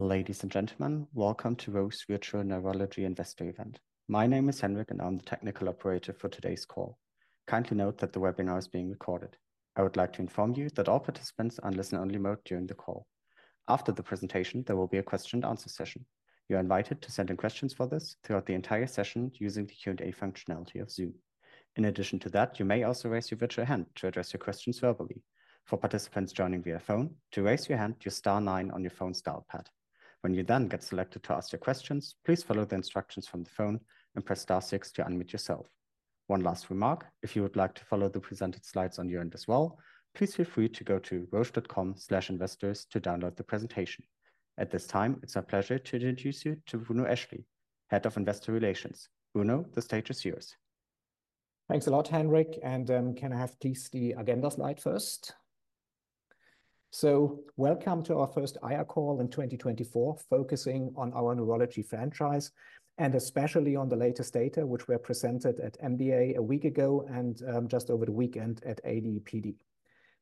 Ladies and gentlemen, welcome to Roche Virtual Neurology Investor Event. My name is Henrik, and I'm the technical operator for today's call. Kindly note that the webinar is being recorded. I would like to inform you that all participants are in listen-only mode during the call. After the presentation, there will be a question and answer session. You're invited to send in questions for this throughout the entire session using the Q&A functionality of Zoom. In addition to that, you may also raise your virtual hand to address your questions verbally. For participants joining via phone, to raise your hand, just star nine on your phone's dial pad. When you then get selected to ask your questions, please follow the instructions from the phone and press star six to unmute yourself. One last remark, if you would like to follow the presented slides on your end as well, please feel free to go to roche.com/investors to download the presentation. At this time, it's our pleasure to introduce you to Bruno Eschli, Head of Investor Relations. Bruno, the stage is yours. Thanks a lot, Henrik, and, can I have please the agenda slide first? So welcome to our first IR call in 2024, focusing on our neurology franchise, and especially on the latest data, which were presented at MDA a week ago and, just over the weekend at AD/PD.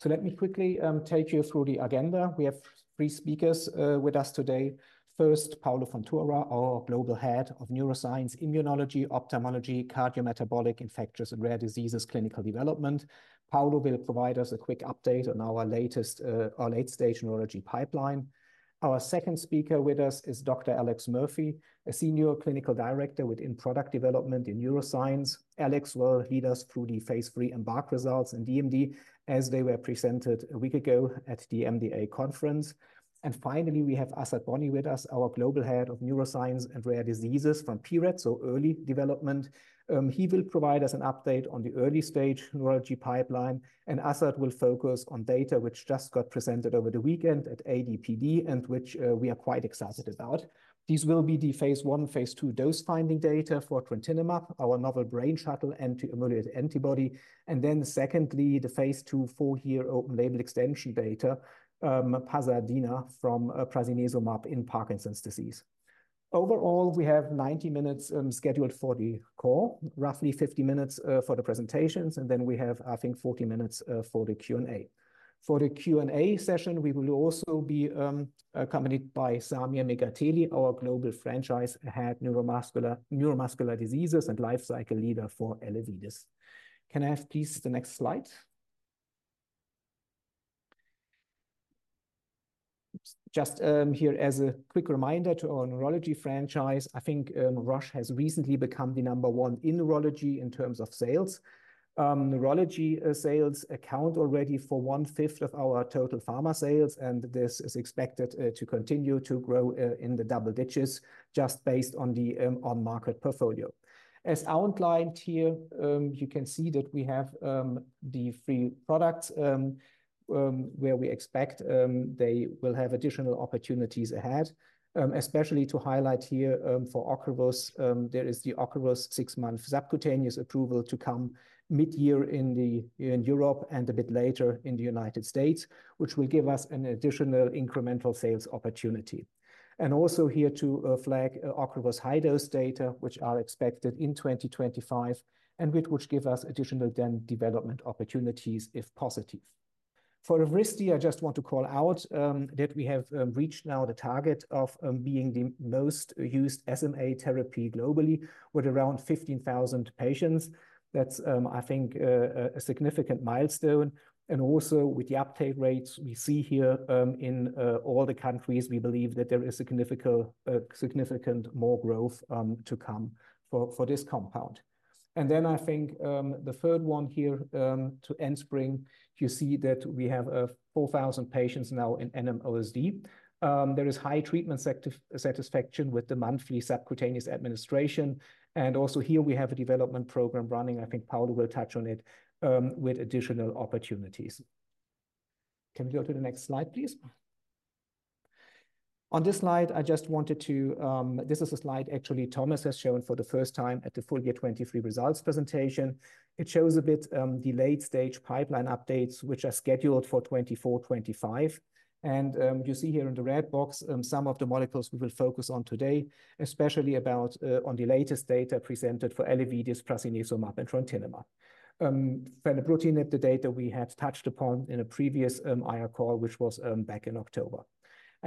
So let me quickly take you through the agenda. We have three speakers with us today. First, Paulo Fontoura, our Global Head of Neuroscience, Immunology, Ophthalmology, Cardiometabolic, Infectious, and Rare Diseases, Clinical Development. Paulo will provide us a quick update on our latest, our late-stage neurology pipeline. Our second speaker with us is Dr. Alex Murphy, a Senior Clinical Director within Product Development in Neuroscience. Alex will lead us through the phase III EMBARK results in DMD, as they were presented a week ago at the MDA conference. And finally, we have Azad Bonni with us, our Global Head of Neuroscience and Rare Diseases from pRED, so early development. He will provide us an update on the early-stage neurology pipeline, and Azad will focus on data which just got presented over the weekend at AD/PD, and which, we are quite excited about. These will be the phase I, phase II dose-finding data for trontinemab, our novel Brain Shuttle anti-amyloid antibody. And then secondly, the phase II four-year open label extension data, PASADENA from prasinezumab in Parkinson's disease. Overall, we have 90 minutes, scheduled for the call, roughly 50 minutes, for the presentations, and then we have, I think, 40 minutes, for the Q&A. For the Q&A session, we will also be, accompanied by Samir Megateli, our Global Franchise Head, Neuromuscular, Neuromuscular Diseases, and Lifecycle Lead for Elevidys. Can I have please the next slide? Just here as a quick reminder to our neurology franchise, I think, Roche has recently become the number one in neurology in terms of sales. Neurology sales account already for one-fifth of our total pharma sales, and this is expected to continue to grow in the double digits just based on the on-market portfolio. As outlined here, you can see that we have the three products where we expect they will have additional opportunities ahead. Especially to highlight here, for Ocrevus, there is the Ocrevus six-month subcutaneous approval to come mid-year in Europe and a bit later in the United States, which will give us an additional incremental sales opportunity. And also here to flag Ocrevus high-dose data, which are expected in 2025, and which give us additional then development opportunities if positive. For Evrysdi, I just want to call out that we have reached now the target of being the most used SMA therapy globally with around 15,000 patients. That's, I think, a significant milestone. And also with the uptake rates we see here in all the countries, we believe that there is significant more growth to come for this compound. And then I think the third one here to Enspryng, you see that we have four thousand patients now in NMOSD. There is high treatment satisfaction with the monthly subcutaneous administration, and also here we have a development program running, I think Paulo will touch on it, with additional opportunities. Can we go to the next slide, please? On this slide, I just wanted to... This is a slide actually Thomas has shown for the first time at the full year 2023 results presentation. It shows a bit, the late-stage pipeline updates, which are scheduled for 2024, 2025. And, you see here in the red box, some of the molecules we will focus on today, especially about, on the latest data presented for Elevidys, prasinezumab, and trontinemab. Fenebrutinib, the data we had touched upon in a previous, IR call, which was, back in October.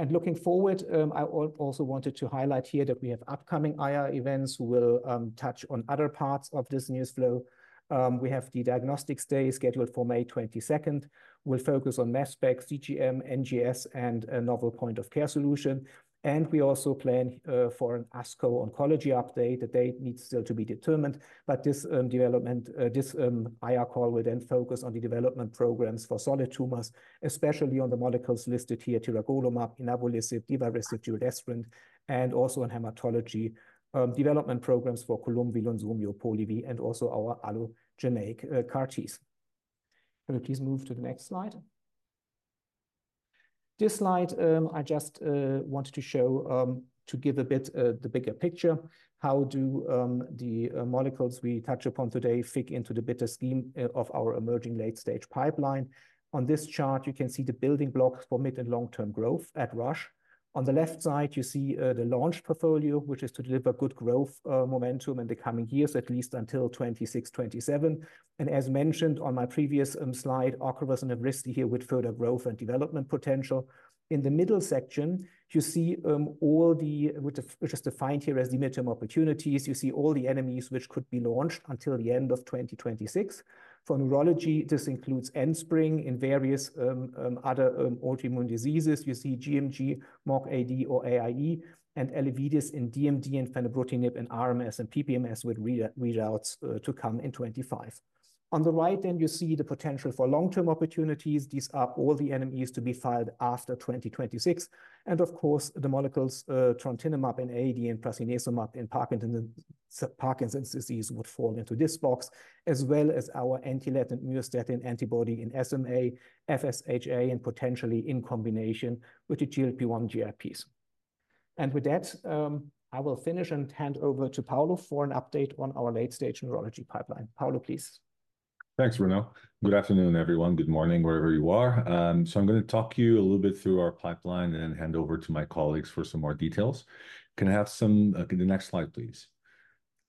Looking forward, I also wanted to highlight here that we have upcoming IR events. We'll touch on other parts of this news flow. We have the Diagnostics Day scheduled for May 22. We'll focus on mass specs, CGM, NGS, and a novel point-of-care solution. And we also plan for an ASCO oncology update. The date needs still to be determined, but this development, this IR call will then focus on the development programs for solid tumors, especially on the molecules listed here, tiragolumab, inavolisib, divarasib, giredestrant, and also in hematology, development programs for Columvi, Polivy, and also our allogeneic CAR-Ts. Can we please move to the next slide? This slide, I just wanted to show, to give a bit the bigger picture. How do the molecules we touch upon today fit into the bigger scheme of our emerging late-stage pipeline? On this chart, you can see the building blocks for mid- and long-term growth at Roche. On the left side, you see the launch portfolio, which is to deliver good growth momentum in the coming years, at least until 26, 27. As mentioned on my previous slide, Ocrevus and Evrysdi here with further growth and development potential. In the middle section, you see all the, which is defined here as the midterm opportunities. You see all the NMEs which could be launched until the end of 2026. For neurology, this includes Enspryng in various other autoimmune diseases. You see gMG, MOGAD, or AIE, and Elevidys in DMD, and fenebrutinib in RMS and PPMS, with readouts to come in 25. On the right then, you see the potential for long-term opportunities. These are all the NMEs to be filed after 2026, and of course, the molecules, Trontinemab in AD, and prasinezumab in Parkinson's disease would fall into this box, as well as our anti-latent myostatin antibody in SMA, FSHD, and potentially in combination with the GLP-1/GIP. And with that, I will finish and hand over to Paulo for an update on our late-stage neurology pipeline. Paulo, please. Thanks, Bruno. Good afternoon, everyone. Good morning, wherever you are. So I'm going to talk you a little bit through our pipeline and then hand over to my colleagues for some more details. Can the next slide, please?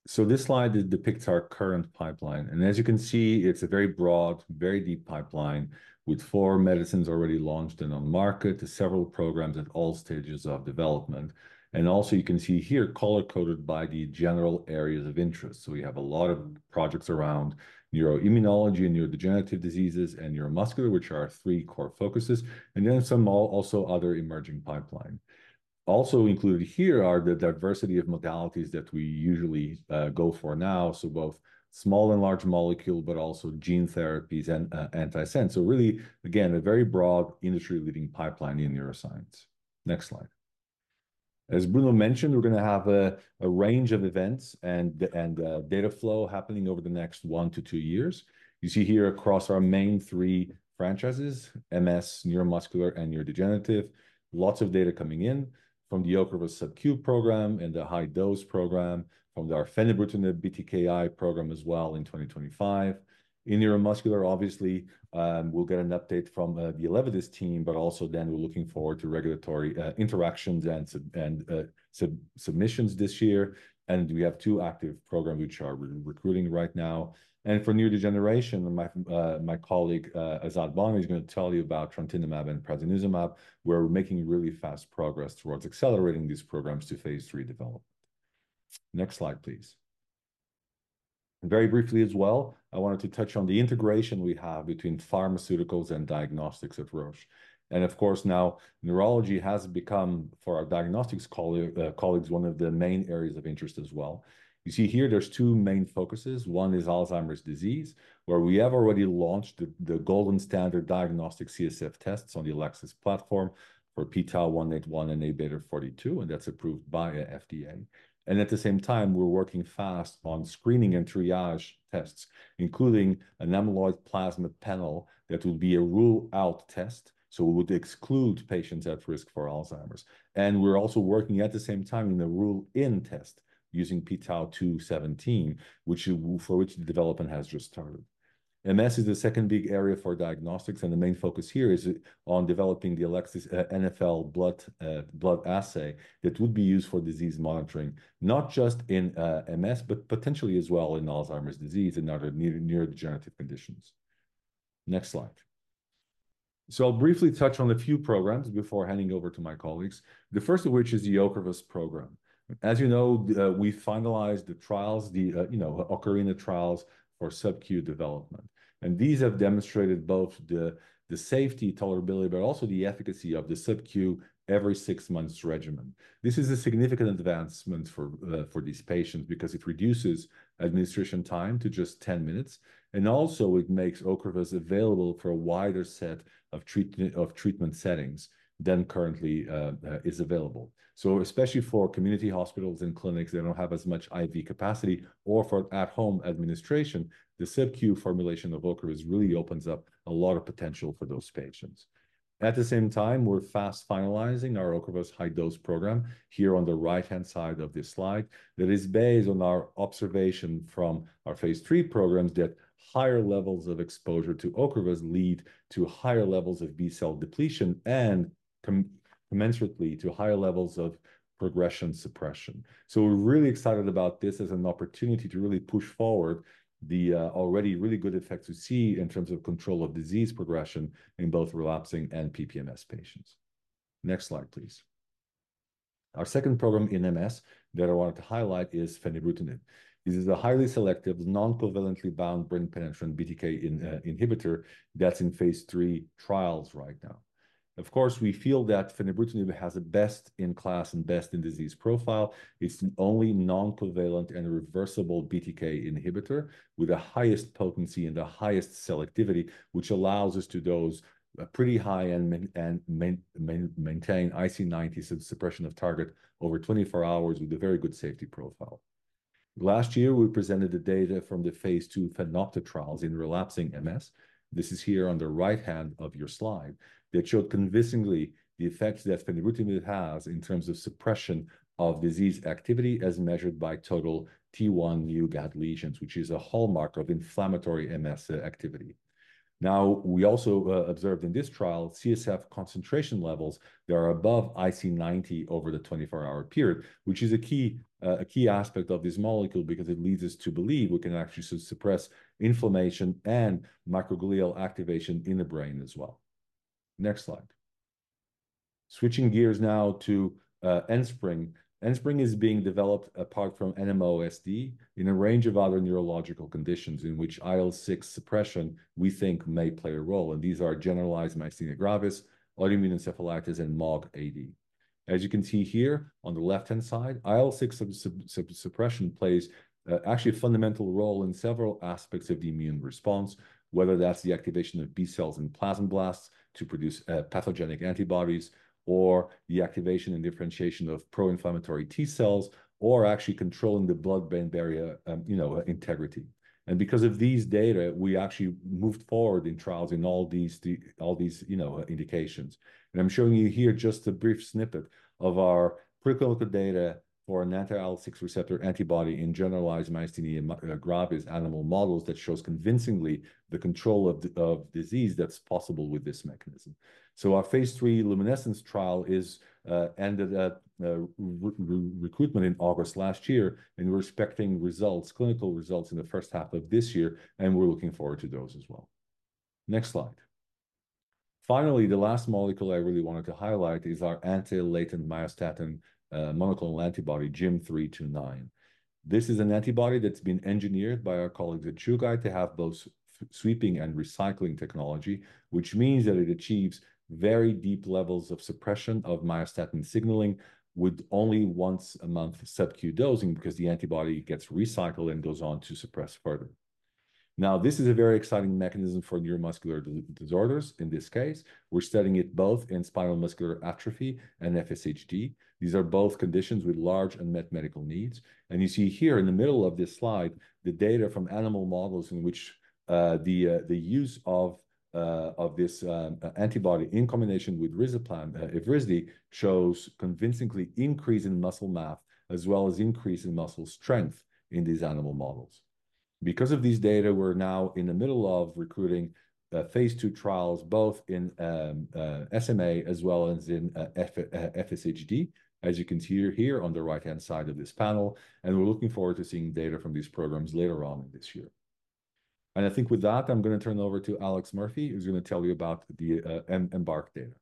So this slide depicts our current pipeline, and as you can see, it's a very broad, very deep pipeline, with four medicines already launched and on market to several programs at all stages of development. And also, you can see here, color-coded by the general areas of interest. So we have a lot of projects around neuroimmunology and neurodegenerative diseases and neuromuscular, which are our three core focuses, and then some also other emerging pipeline. Also included here are the diversity of modalities that we usually go for now, so both small and large molecule, but also gene therapies and antisense. So really, again, a very broad industry-leading pipeline in neuroscience. Next slide. As Bruno mentioned, we're going to have a range of events and data flow happening over the next one to two years. You see here across our main three franchises, MS, neuromuscular, and neurodegenerative, lots of data coming in from the Ocrevus subQ program and the high-dose program, from our fenebrutinib BTKI program as well in 2025. In neuromuscular, obviously, we'll get an update from the Elevidys team, but also then we're looking forward to regulatory interactions and submissions this year. And we have two active program which are recruiting right now. For neurodegeneration, my colleague, Azad Bonni, is going to tell you about trontinemab and prasinezumab, where we're making really fast progress towards accelerating these programs to Phase III development. Next slide, please. And very briefly as well, I wanted to touch on the integration we have between pharmaceuticals and diagnostics at Roche. And of course, now neurology has become, for our diagnostics colleagues, one of the main areas of interest as well. You see here, there's two main focuses. One is Alzheimer's disease, where we have already launched the gold standard diagnostic CSF tests on the Elecsys platform for p-tau181 and Aβ42, and that's approved by the FDA. And at the same time, we're working fast on screening and triage tests, including an amyloid plasma panel that will be a rule-out test, so it would exclude patients at risk for Alzheimer's. And we're also working at the same time on a rule-in test using p-tau217, which... for which the development has just started. MS is the second big area for diagnostics, and the main focus here is on developing the Elecsys NFL blood assay that would be used for disease monitoring, not just in MS, but potentially as well in Alzheimer's disease and other neurodegenerative conditions. Next slide. So I'll briefly touch on a few programs before handing over to my colleagues, the first of which is the Ocrevus program. As you know, we finalized the trials, the, you know, OCARINA trials for subQ development, and these have demonstrated both the, the safety tolerability, but also the efficacy of the subQ every six months regimen. This is a significant advancement for, for these patients because it reduces administration time to just 10 minutes, and also it makes Ocrevus available for a wider set of treatm- of treatment settings than currently, is available. So especially for community hospitals and clinics, they don't have as much IV capacity, or for at-home administration, the subQ formulation of Ocrevus really opens up a lot of potential for those patients. At the same time, we're fast finalizing our Ocrevus high-dose program here on the right-hand side of this slide. That is based on our observation from our phase III programs that higher levels of exposure to Ocrevus lead to higher levels of B-cell depletion and commensurately to higher levels of progression suppression. So we're really excited about this as an opportunity to really push forward the already really good effects we see in terms of control of disease progression in both relapsing and PPMS patients. Next slide, please. Our second program in MS that I wanted to highlight is fenebrutinib. This is a highly selective, non-covalent, brain-penetrant BTK inhibitor that's in phase III trials right now. Of course, we feel that fenebrutinib has a best-in-class and best-in-disease profile. It's the only non-covalent and reversible BTK inhibitor with the highest potency and the highest selectivity, which allows us to dose a pretty high end and maintain IC90s of suppression of target over 24 hours with a very good safety profile. Last year, we presented the data from the phase II FENopta trials in relapsing MS. This is here on the right-hand of your slide. That showed convincingly the effects that fenebrutinib has in terms of suppression of disease activity, as measured by total T1 new GAD lesions, which is a hallmark of inflammatory MS activity. Now, we also observed in this trial CSF concentration levels that are above IC90 over the 24-hour period, which is a key aspect of this molecule because it leads us to believe we can actually suppress inflammation and microglial activation in the brain as well. Next slide. Switching gears now to Enspryng. Enspryng is being developed apart from NMOSD in a range of other neurological conditions in which IL-6 suppression, we think, may play a role, and these are generalized myasthenia gravis, autoimmune encephalitis, and MOGAD. As you can see here, on the left-hand side, IL-6 suppression plays, actually a fundamental role in several aspects of the immune response, whether that's the activation of B cells and plasmablasts to produce, pathogenic antibodies, or the activation and differentiation of pro-inflammatory T cells, or actually controlling the blood-brain barrier, you know, integrity. And because of these data, we actually moved forward in trials in all these, you know, indications. And I'm showing you here just a brief snippet of our preclinical data for an anti-IL-6 receptor antibody in generalized myasthenia gravis animal models that shows convincingly the control of of disease that's possible with this mechanism. So our phase III LUMINESCE trial is ended at recruitment in August last year, and we're expecting results, clinical results, in the first half of this year, and we're looking forward to those as well. Next slide. Finally, the last molecule I really wanted to highlight is our anti-latent myostatin monoclonal antibody, GYM329. This is an antibody that's been engineered by our colleagues at Chugai to have both sweeping and recycling technology, which means that it achieves very deep levels of suppression of myostatin signaling with only once-a-month subQ dosing because the antibody gets recycled and goes on to suppress further. Now, this is a very exciting mechanism for neuromuscular disorders. In this case, we're studying it both in spinal muscular atrophy and FSHD. These are both conditions with large unmet medical needs. And you see here in the middle of this slide, the data from animal models in which the use of this antibody in combination with risdiplam, Evrysdi, shows convincingly increase in muscle mass, as well as increase in muscle strength in these animal models. Because of these data, we're now in the middle of recruiting phase II trials, both in SMA as well as in FSHD, as you can see here on the right-hand side of this panel, and we're looking forward to seeing data from these programs later on in this year. And I think with that, I'm gonna turn it over to Alex Murphy, who's gonna tell you about the EMBARK data.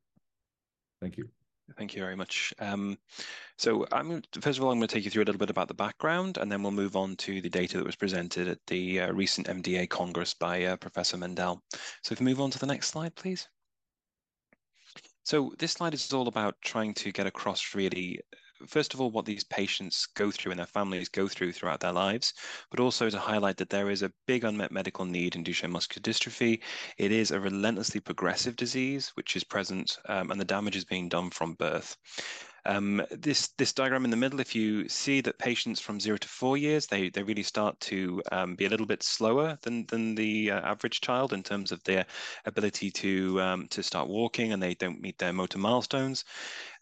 Thank you. Thank you very much. So I'm... First of all, I'm gonna take you through a little bit about the background, and then we'll move on to the data that was presented at the recent MDA Congress by Professor Mendell. So if we move on to the next slide, please. So this slide is all about trying to get across really, first of all, what these patients go through and their families go through throughout their lives, but also to highlight that there is a big unmet medical need in Duchenne muscular dystrophy. It is a relentlessly progressive disease, which is present, and the damage is being done from birth. This diagram in the middle, if you see that patients from zeroto four years, they really start to be a little bit slower than the average child in terms of their ability to start walking, and they don't meet their motor milestones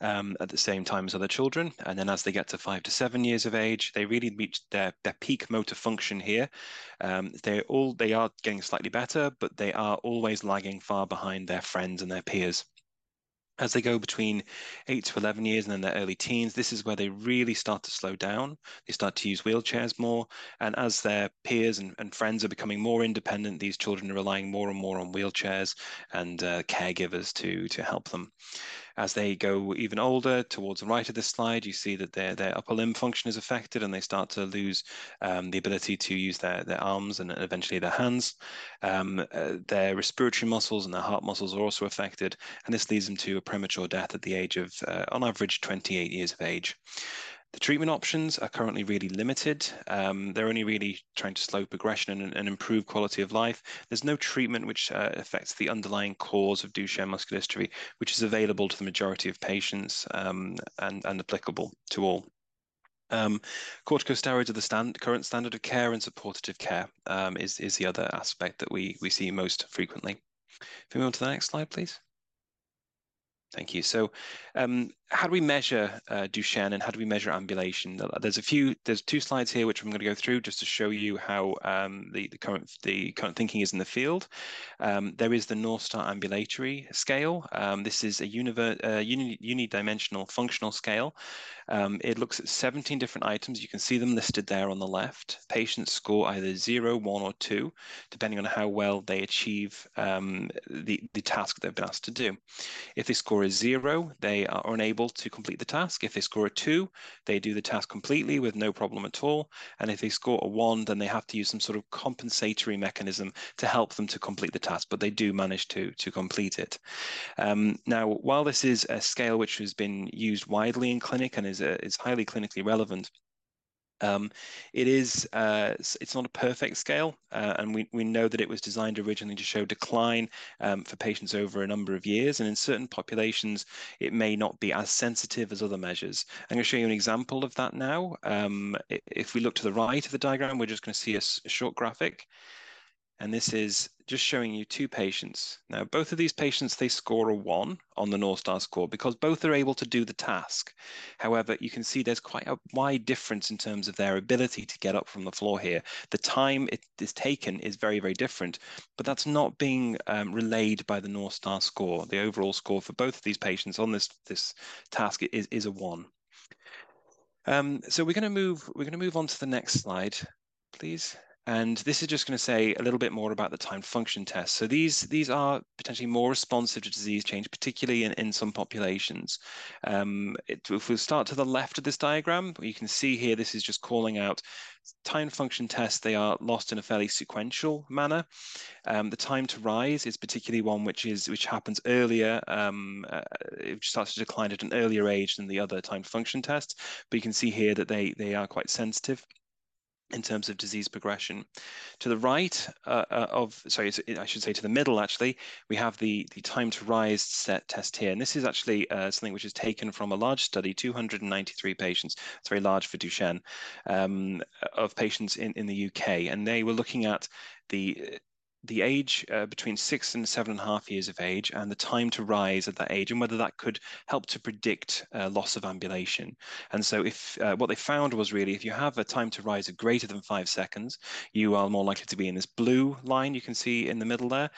at the same time as other children. And then as they get to five to seven years of age, they really reach their peak motor function here. They are getting slightly better, but they are always lagging far behind their friends and their peers. As they go between eight to 11 years and in their early teens, this is where they really start to slow down. They start to use wheelchairs more, and as their peers and friends are becoming more independent, these children are relying more and more on wheelchairs and caregivers to help them. As they go even older, towards the right of this slide, you see that their upper limb function is affected, and they start to lose the ability to use their arms and eventually their hands. Their respiratory muscles and their heart muscles are also affected, and this leads them to a premature death at the age of, on average, 28 years of age. The treatment options are currently really limited. They're only really trying to slow progression and improve quality of life. There's no treatment which affects the underlying cause of Duchenne muscular dystrophy, which is available to the majority of patients, and applicable to all. Corticosteroids are the standard of care, and supportive care is the other aspect that we see most frequently. If we move on to the next slide, please. Thank you. So, how do we measure Duchenne, and how do we measure ambulation? There's 2 slides here, which I'm gonna go through just to show you how the current thinking is in the field. There is the North Star Ambulatory Scale. This is a unidimensional functional scale. It looks at 17 different items. You can see them listed there on the left. Patients score either 0, 1, or 2, depending on how well they achieve the task they've been asked to do. If they score a 0, they are unable to complete the task. If they score a two, they do the task completely with no problem at all, and if they score a one, then they have to use some sort of compensatory mechanism to help them to complete the task, but they do manage to complete it. Now, while this is a scale which has been used widely in clinic and is highly clinically relevant, it is, it's not a perfect scale, and we know that it was designed originally to show decline, for patients over a number of years, and in certain populations, it may not be as sensitive as other measures. I'm gonna show you an example of that now. If we look to the right of the diagram, we're just gonna see a short graphic... and this is just showing you two patients. Now, both of these patients, they score a 1 on the North Star score because both are able to do the task. However, you can see there's quite a wide difference in terms of their ability to get up from the floor here. The time it is taken is very, very different, but that's not being relayed by the North Star score. The overall score for both of these patients on this task is a 1. So we're gonna move on to the next slide, please. And this is just gonna say a little bit more about the time function test. So these are potentially more responsive to disease change, particularly in some populations. If we start to the left of this diagram, you can see here, this is just calling out time function tests, they are lost in a fairly sequential manner. The time to rise is particularly one which happens earlier, it starts to decline at an earlier age than the other time function tests. But you can see here that they are quite sensitive in terms of disease progression. To the right, sorry, I should say to the middle, actually, we have the time to rise set test here. And this is actually, something which is taken from a large study, 293 patients, it's very large for Duchenne, of patients in the UK. And they were looking at the age between six and 7.5 years of age, and the time to rise at that age, and whether that could help to predict loss of ambulation. And so if what they found was really, if you have a time to rise of greater than 5 seconds, you are more likely to be in this blue line, you can see in the middle there,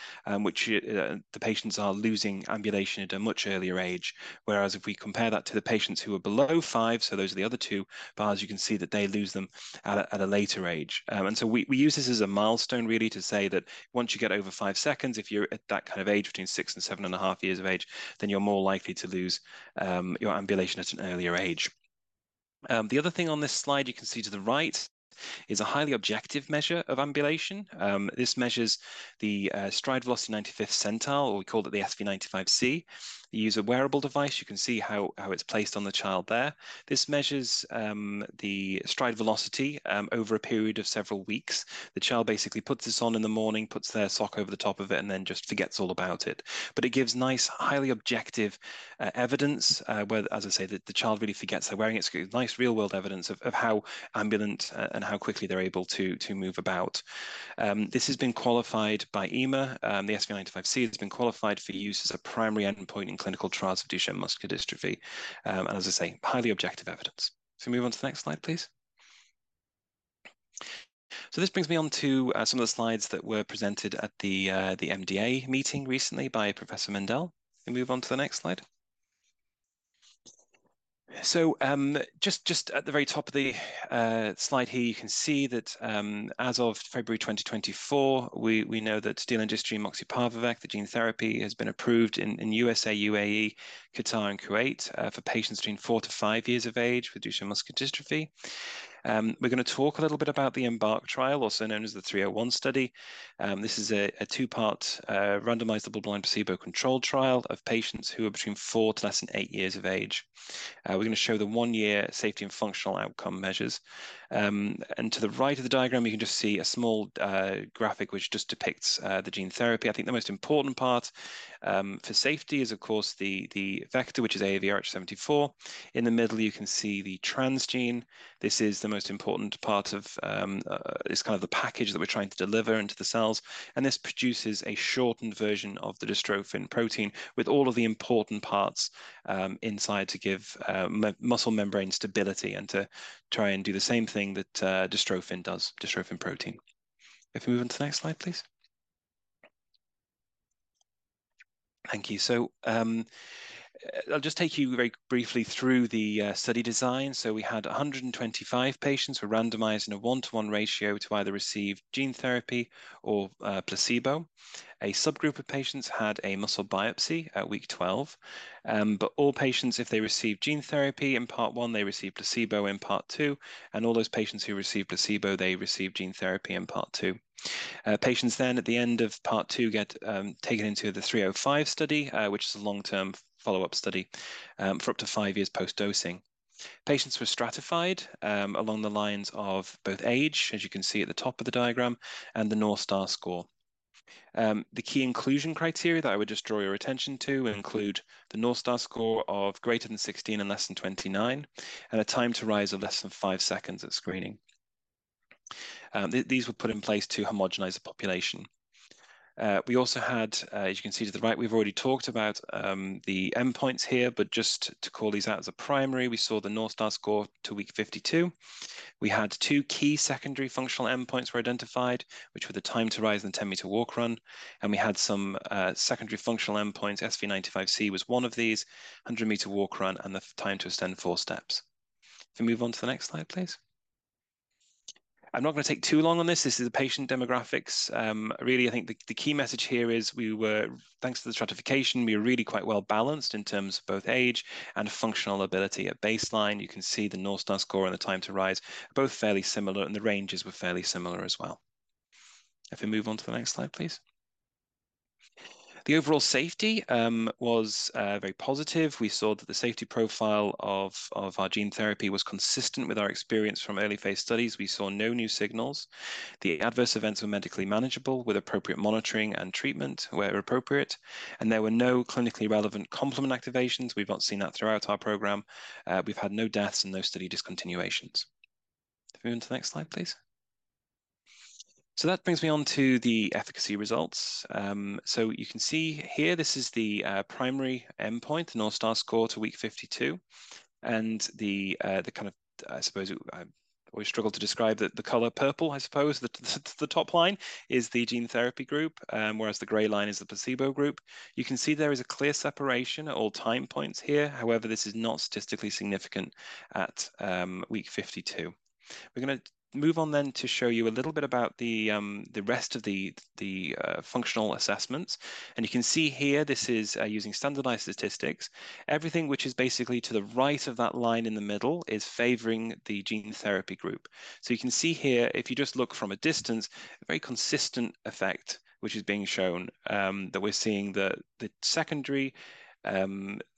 which the patients are losing ambulation at a much earlier age. Whereas if we compare that to the patients who are below five, so those are the other two bars, you can see that they lose them at a later age. And so we use this as a milestone, really, to say that once you get over five seconds, if you're at that kind of age, between six and seven and a half years of age, then you're more likely to lose your ambulation at an earlier age. The other thing on this slide, you can see to the right, is a highly objective measure of ambulation. This measures the stride velocity ninety-fifth centile, or we call it the SV95C. You use a wearable device. You can see how it's placed on the child there. This measures the stride velocity over a period of several weeks. The child basically puts this on in the morning, puts their sock over the top of it, and then just forgets all about it. But it gives nice, highly objective, evidence, where, as I say, the child really forgets they're wearing it. It's nice real-world evidence of how ambulant, and how quickly they're able to, to move about. This has been qualified by EMA. The SV95C has been qualified for use as a primary endpoint in clinical trials of Duchenne muscular dystrophy, and as I say, highly objective evidence. So move on to the next slide, please. So this brings me on to some of the slides that were presented at the MDA meeting recently by Professor Mendel. Can we move on to the next slide? Just at the very top of the slide here, you can see that, as of February 2024, we know that delandistrogene moxeparvovec, the gene therapy, has been approved in USA, UAE, Qatar, and Kuwait, for patients between four to five years of age with Duchenne muscular dystrophy. We're gonna talk a little bit about the EMBARK trial, also known as the 301 study. This is a two-part randomized, double-blind, placebo-controlled trial of patients who are between four to less than eight years of age. We're gonna show the one-year safety and functional outcome measures. And to the right of the diagram, you can just see a small graphic which just depicts the gene therapy. I think the most important part for safety is, of course, the vector, which is AAVrh744. In the middle, you can see the transgene. This is the most important part of this kind of the package that we're trying to deliver into the cells, and this produces a shortened version of the dystrophin protein, with all of the important parts inside to give muscle membrane stability and to try and do the same thing that dystrophin does, dystrophin protein. If we move on to the next slide, please. Thank you. I'll just take you very briefly through the study design. We had 125 patients who were randomized in a 1:1 ratio to either receive gene therapy or placebo. A subgroup of patients had a muscle biopsy at week 12, but all patients, if they received gene therapy in part one, they received placebo in part two, and all those patients who received placebo, they received gene therapy in part two. Patients then, at the end of part two, get taken into the 305 study, which is a long-term follow-up study, for up to five years post-dosing. Patients were stratified along the lines of both age, as you can see at the top of the diagram, and the North Star score. The key inclusion criteria that I would just draw your attention to include the North Star score of greater than 16 and less than 29, and a time to rise of less than 5 seconds at screening. These were put in place to homogenize the population. We also had, as you can see to the right, we've already talked about, the endpoints here, but just to call these out as a primary, we saw the North Star score to week 52. We had two key secondary functional endpoints were identified, which were the time to rise and 10-meter walk run, and we had some, secondary functional endpoints. SV95C was one of these, 100-meter walk run, and the time to extend four steps. Can we move on to the next slide, please? I'm not gonna take too long on this. This is the patient demographics. Really, I think the, the key message here is we were, thanks to the stratification, we are really quite well balanced in terms of both age and functional ability. At baseline, you can see the North Star score and the time to rise are both fairly similar, and the ranges were fairly similar as well. If we move on to the next slide, please. The overall safety was very positive. We saw that the safety profile of our gene therapy was consistent with our experience from early phase studies. We saw no new signals. The adverse events were medically manageable, with appropriate monitoring and treatment where appropriate, and there were no clinically relevant complement activations. We've not seen that throughout our program. We've had no deaths and no study discontinuations. Can we move on to the next slide, please? So that brings me on to the efficacy results. So you can see here, this is the primary endpoint, the North Star score to week 52, and the kind of, I suppose, we struggle to describe the color purple, I suppose. The top line is the gene therapy group, whereas the gray line is the placebo group. You can see there is a clear separation at all time points here. However, this is not statistically significant at week 52. We're gonna move on then to show you a little bit about the rest of the functional assessments, and you can see here, this is using standardized statistics. Everything which is basically to the right of that line in the middle is favoring the gene therapy group. So you can see here, if you just look from a distance, a very consistent effect, which is being shown, that we're seeing the secondary,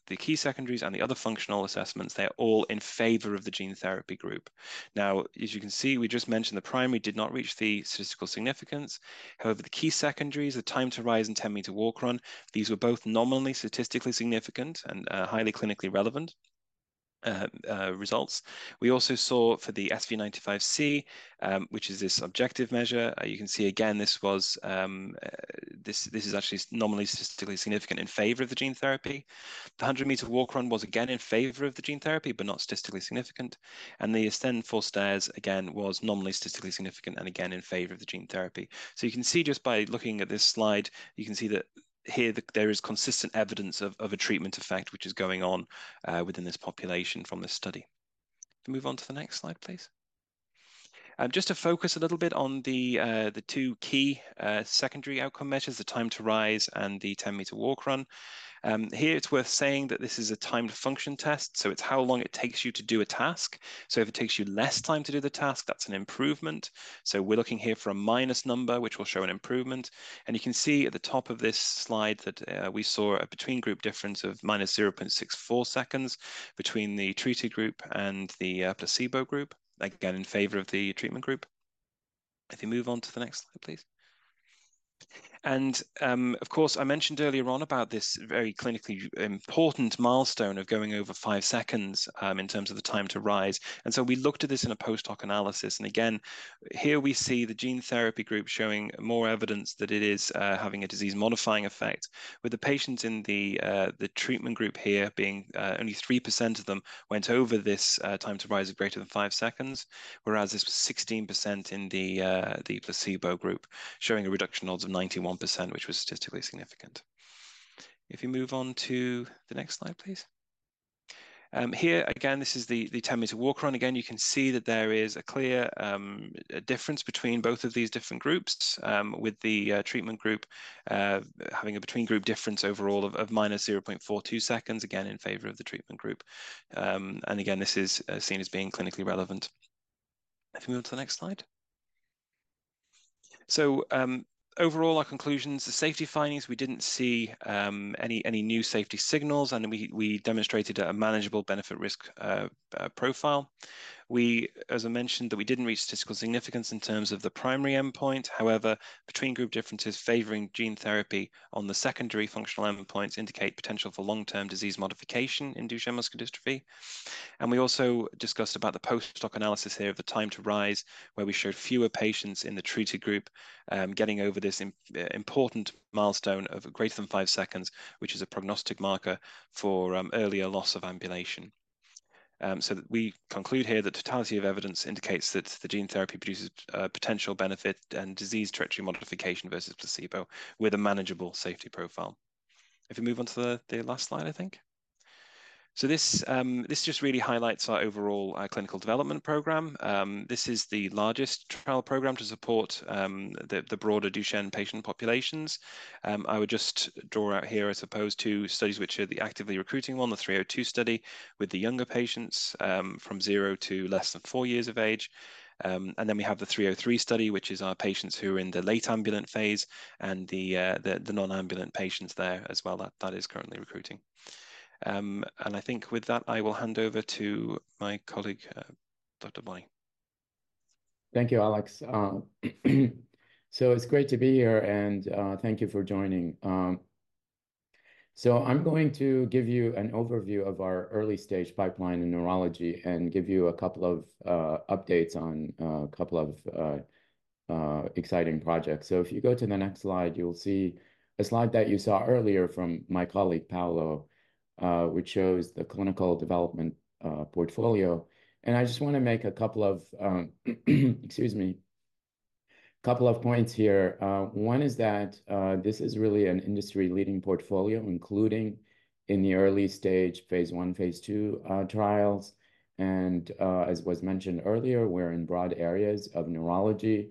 the key secondaries, and the other functional assessments, they're all in favor of the gene therapy group. Now, as you can see, we just mentioned the primary did not reach the statistical significance. However, the key secondaries, the time to rise and 10-meter walk run, these were both nominally statistically significant and highly clinically relevant results. We also saw for the SV95C, which is this objective measure, you can see again, this is actually nominally statistically significant in favor of the gene therapy. The 100-meter walk run was again in favor of the gene therapy, but not statistically significant. And the ascend four stairs, again, was nominally statistically significant, and again, in favor of the gene therapy. So you can see just by looking at this slide, you can see that here, there is consistent evidence of a treatment effect, which is going on within this population from this study. Can we move on to the next slide, please? Just to focus a little bit on the two key secondary outcome measures, the time to rise and the 10-meter walk run. Here it's worth saying that this is a timed function test, so it's how long it takes you to do a task. So if it takes you less time to do the task, that's an improvement. So we're looking here for a minus number, which will show an improvement. You can see at the top of this slide that we saw a between-group difference of minus 0.64 seconds between the treated group and the placebo group, again, in favor of the treatment group. If you move on to the next slide, please. Of course, I mentioned earlier on about this very clinically important milestone of going over 5 seconds in terms of the time to rise. We looked at this in a post-hoc analysis, and again, here we see the gene therapy group showing more evidence that it is having a disease-modifying effect, with the patients in the treatment group here being only 3% of them went over this time to rise of greater than 5 seconds, whereas it's 16% in the placebo group, showing a reduction odds of 91%, which was statistically significant. If you move on to the next slide, please. Here, again, this is the 10-meter walk run. Again, you can see that there is a clear difference between both of these different groups, with the treatment group having a between-group difference overall of -0.42 seconds, again, in favor of the treatment group. And again, this is seen as being clinically relevant. If we move to the next slide. So, overall, our conclusions, the safety findings, we didn't see any new safety signals, and we demonstrated a manageable benefit-risk profile. We, as I mentioned, that we didn't reach statistical significance in terms of the primary endpoint. However, between-group differences favoring gene therapy on the secondary functional endpoints indicate potential for long-term disease modification in Duchenne muscular dystrophy. And we also discussed about the post-hoc analysis here of the time to rise, where we showed fewer patients in the treated group getting over this important milestone of greater than five seconds, which is a prognostic marker for earlier loss of ambulation. So we conclude here that totality of evidence indicates that the gene therapy produces potential benefit and disease trajectory modification versus placebo, with a manageable safety profile. If we move on to the last slide, I think. So this just really highlights our overall clinical development program. This is the largest trial program to support the broader Duchenne patient populations. I would just draw out here as opposed to studies which are the actively recruiting one, the 302 study, with the younger patients, from 0 to less than four years of age. And then we have the 303 study, which is our patients who are in the late ambulant phase and the non-ambulant patients there as well. That is currently recruiting. I think with that, I will hand over to my colleague, Dr. Bonni. Thank you, Alex. So it's great to be here, and thank you for joining. So I'm going to give you an overview of our early-stage pipeline in neurology and give you a couple of updates on a couple of exciting projects. So if you go to the next slide, you'll see a slide that you saw earlier from my colleague, Paulo, which shows the clinical development portfolio. And I just wanna make a couple of, excuse me, couple of points here. One is that this is really an industry-leading portfolio, including in the early stage, phase I, phase II trials. And as was mentioned earlier, we're in broad areas of neurology,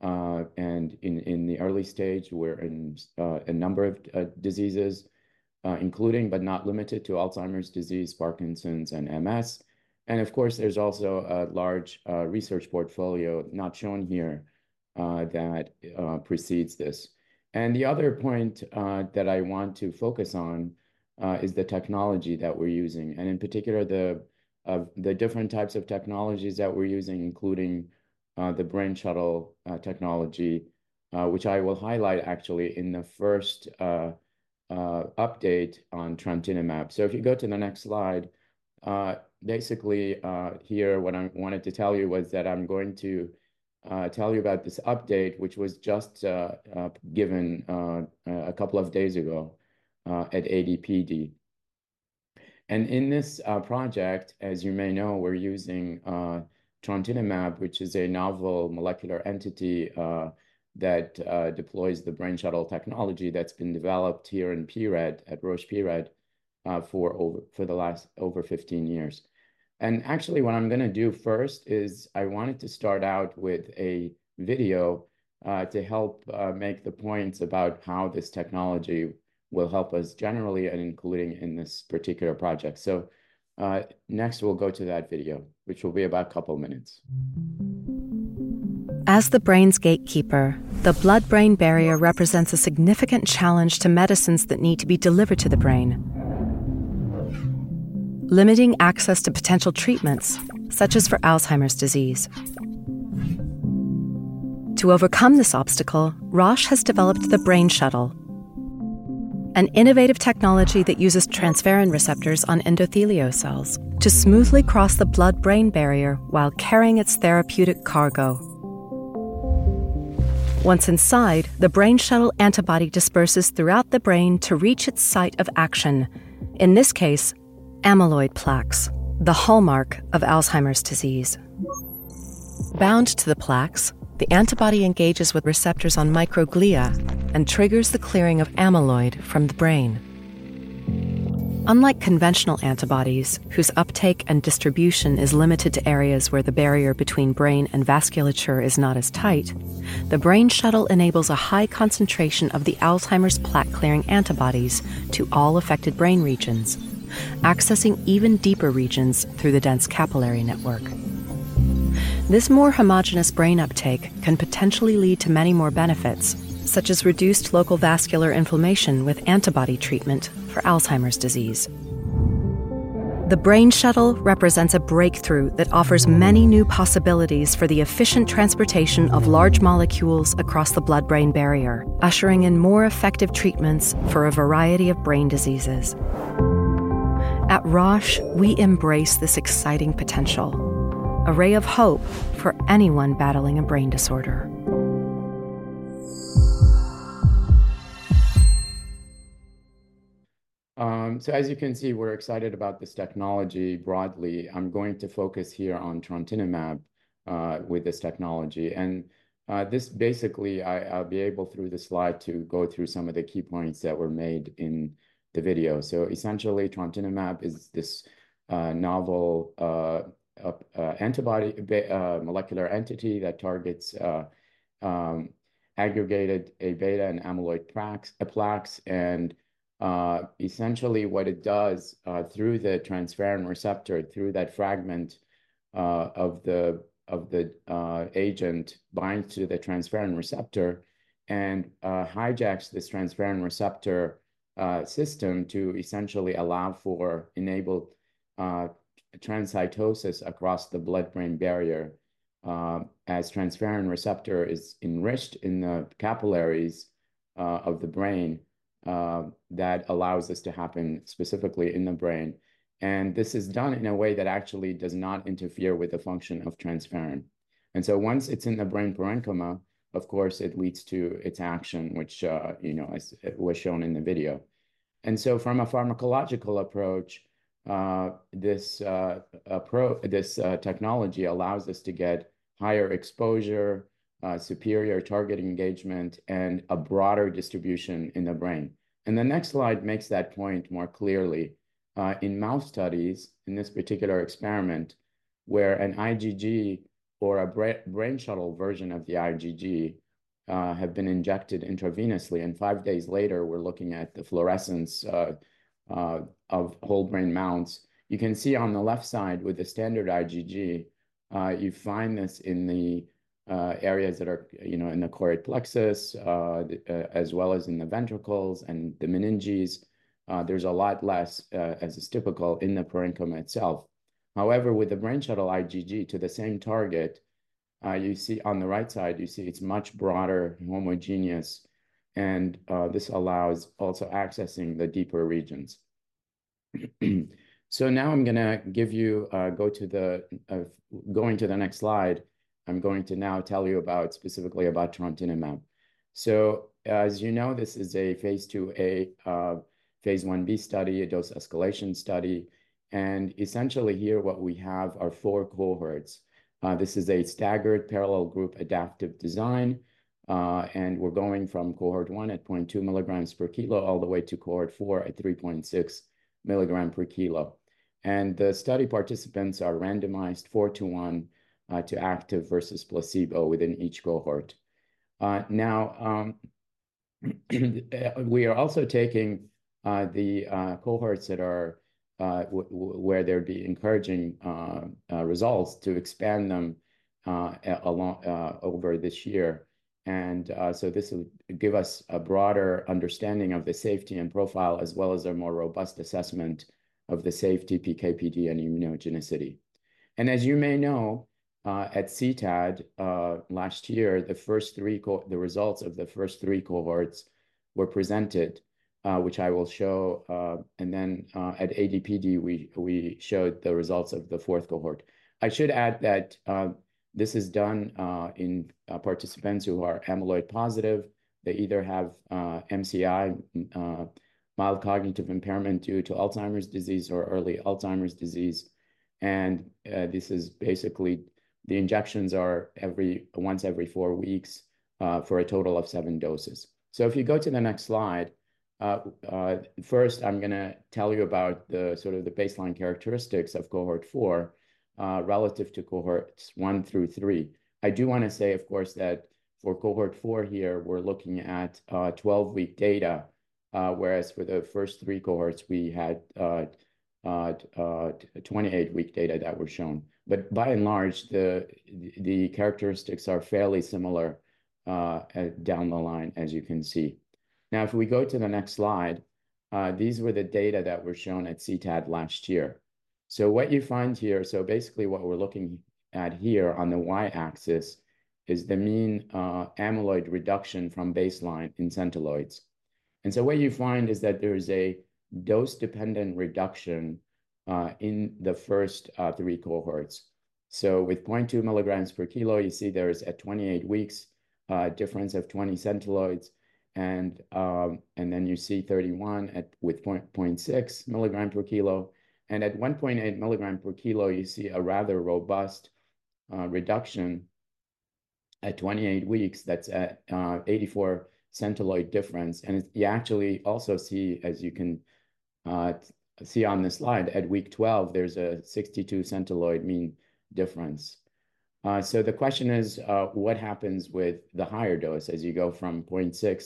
and in the early stage, we're in a number of diseases, including but not limited to Alzheimer's disease, Parkinson's, and MS. Of course, there's also a large research portfolio not shown here that precedes this. And the other point that I want to focus on is the technology that we're using, and in particular, the different types of technologies that we're using, including the Brain Shuttle technology, which I will highlight actually in the first update on trontinemab. So if you go to the next slide, basically here, what I wanted to tell you was that I'm going to tell you about this update, which was just given a couple of days ago at ADPD. In this project, as you may know, we're using trontinemab, which is a novel molecular entity that deploys the Brain Shuttle technology that's been developed here in pRED, at Roche pRED, for the last over 15 years. Actually, what I'm gonna do first is I wanted to start out with a video to help make the points about how this technology will help us generally and including in this particular project. Next, we'll go to that video, which will be about a couple minutes. As the brain's gatekeeper, the blood-brain barrier represents a significant challenge to medicines that need to be delivered to the brain, limiting access to potential treatments, such as for Alzheimer's disease. To overcome this obstacle, Roche has developed the Brain Shuttle, an innovative technology that uses transferrin receptors on endothelial cells to smoothly cross the blood-brain barrier while carrying its therapeutic cargo. Once inside, the Brain Shuttle antibody disperses throughout the brain to reach its site of action, in this case, amyloid plaques, the hallmark of Alzheimer's disease. Bound to the plaques, the antibody engages with receptors on microglia and triggers the clearing of amyloid from the brain. Unlike conventional antibodies, whose uptake and distribution is limited to areas where the barrier between brain and vasculature is not as tight, the Brain Shuttle enables a high concentration of the Alzheimer's plaque-clearing antibodies to all affected brain regions, accessing even deeper regions through the dense capillary network. This more homogenous brain uptake can potentially lead to many more benefits, such as reduced local vascular inflammation with antibody treatment for Alzheimer's disease. The Brain Shuttle represents a breakthrough that offers many new possibilities for the efficient transportation of large molecules across the blood-brain barrier, ushering in more effective treatments for a variety of brain diseases. At Roche, we embrace this exciting potential, a ray of hope for anyone battling a brain disorder. As you can see, we're excited about this technology broadly. I'm going to focus here on trontinemab with this technology. This, basically, I'll be able, through this slide, to go through some of the key points that were made in the video. Essentially, trontinemab is this novel antibody molecular entity that targets aggregated A beta and amyloid plaques. Essentially, what it does through the transferrin receptor, through that fragment of the agent, binds to the transferrin receptor and hijacks this transferrin receptor system to essentially allow for enabled transcytosis across the blood-brain barrier. As transferrin receptor is enriched in the capillaries of the brain, that allows this to happen specifically in the brain. This is done in a way that actually does not interfere with the function of transferrin. So once it's in the brain parenchyma, of course, it leads to its action, which, you know, as was shown in the video. So from a pharmacological approach, this technology allows us to get higher exposure, superior target engagement, and a broader distribution in the brain. The next slide makes that point more clearly. In mouse studies, in this particular experiment, where an IgG or a Brain Shuttle version of the IgG have been injected intravenously, and five days later, we're looking at the fluorescence of whole brain mounts. You can see on the left side, with the standard IgG, you find this in the areas that are, you know, in the choroid plexus, the, as well as in the ventricles and the meninges. There's a lot less, as is typical, in the parenchyma itself. However, with the Brain Shuttle IgG to the same target, you see on the right side, you see it's much broader, homogeneous, and, this allows also accessing the deeper regions. So now I'm gonna give you, go to the... Going to the next slide, I'm going to now tell you about, specifically about trontinemab. So as you know, this is a phase II-A, phase I-B study, a dose-escalation study. And essentially, here, what we have are four cohorts. This is a staggered parallel group adaptive design, and we're going from Cohort 1 at 0.2 milligrams per kilo all the way to Cohort 4 at 3.6 milligram per kilo. The study participants are randomized 4:1 to active versus placebo within each cohort. Now, we are also taking the cohorts that are where there'd be encouraging results to expand them along over this year. So this will give us a broader understanding of the safety and profile, as well as a more robust assessment of the safety, PK, PD, and immunogenicity. As you may know, at CTAD last year, the results of the first three cohorts were presented, which I will show, and then, at ADPD, we showed the results of the fourth cohort. I should add that this is done in participants who are amyloid positive. They either have MCI, mild cognitive impairment due to Alzheimer's disease or early Alzheimer's disease, and this is basically the injections are once every four weeks for a total of seven doses. So if you go to the next slide, first, I'm gonna tell you about the sort of baseline characteristics of cohort four relative to cohorts one through three. I do wanna say, of course, that for cohort four here, we're looking at 12-week data, whereas for the first three cohorts, we had 28-week data that were shown. But by and large, the characteristics are fairly similar down the line, as you can see. Now, if we go to the next slide, these were the data that were shown at CTAD last year. So what you find here, so basically what we're looking at here on the y-axis is the mean amyloid reduction from baseline in centiloids. And so what you find is that there is a dose-dependent reduction in the first three cohorts. So with 0.2 milligrams per kilo, you see there's at 28 weeks a difference of 20 centiloids, and then you see 31 at with 0.6 milligram per kilo. At 1.8 milligram per kilo, you see a rather robust reduction at 28 weeks, that's at 84 centiloid difference. And you actually also see, as you can see on this slide, at week 12, there's a 62 centiloid mean difference. So the question is, what happens with the higher dose as you go from 0.6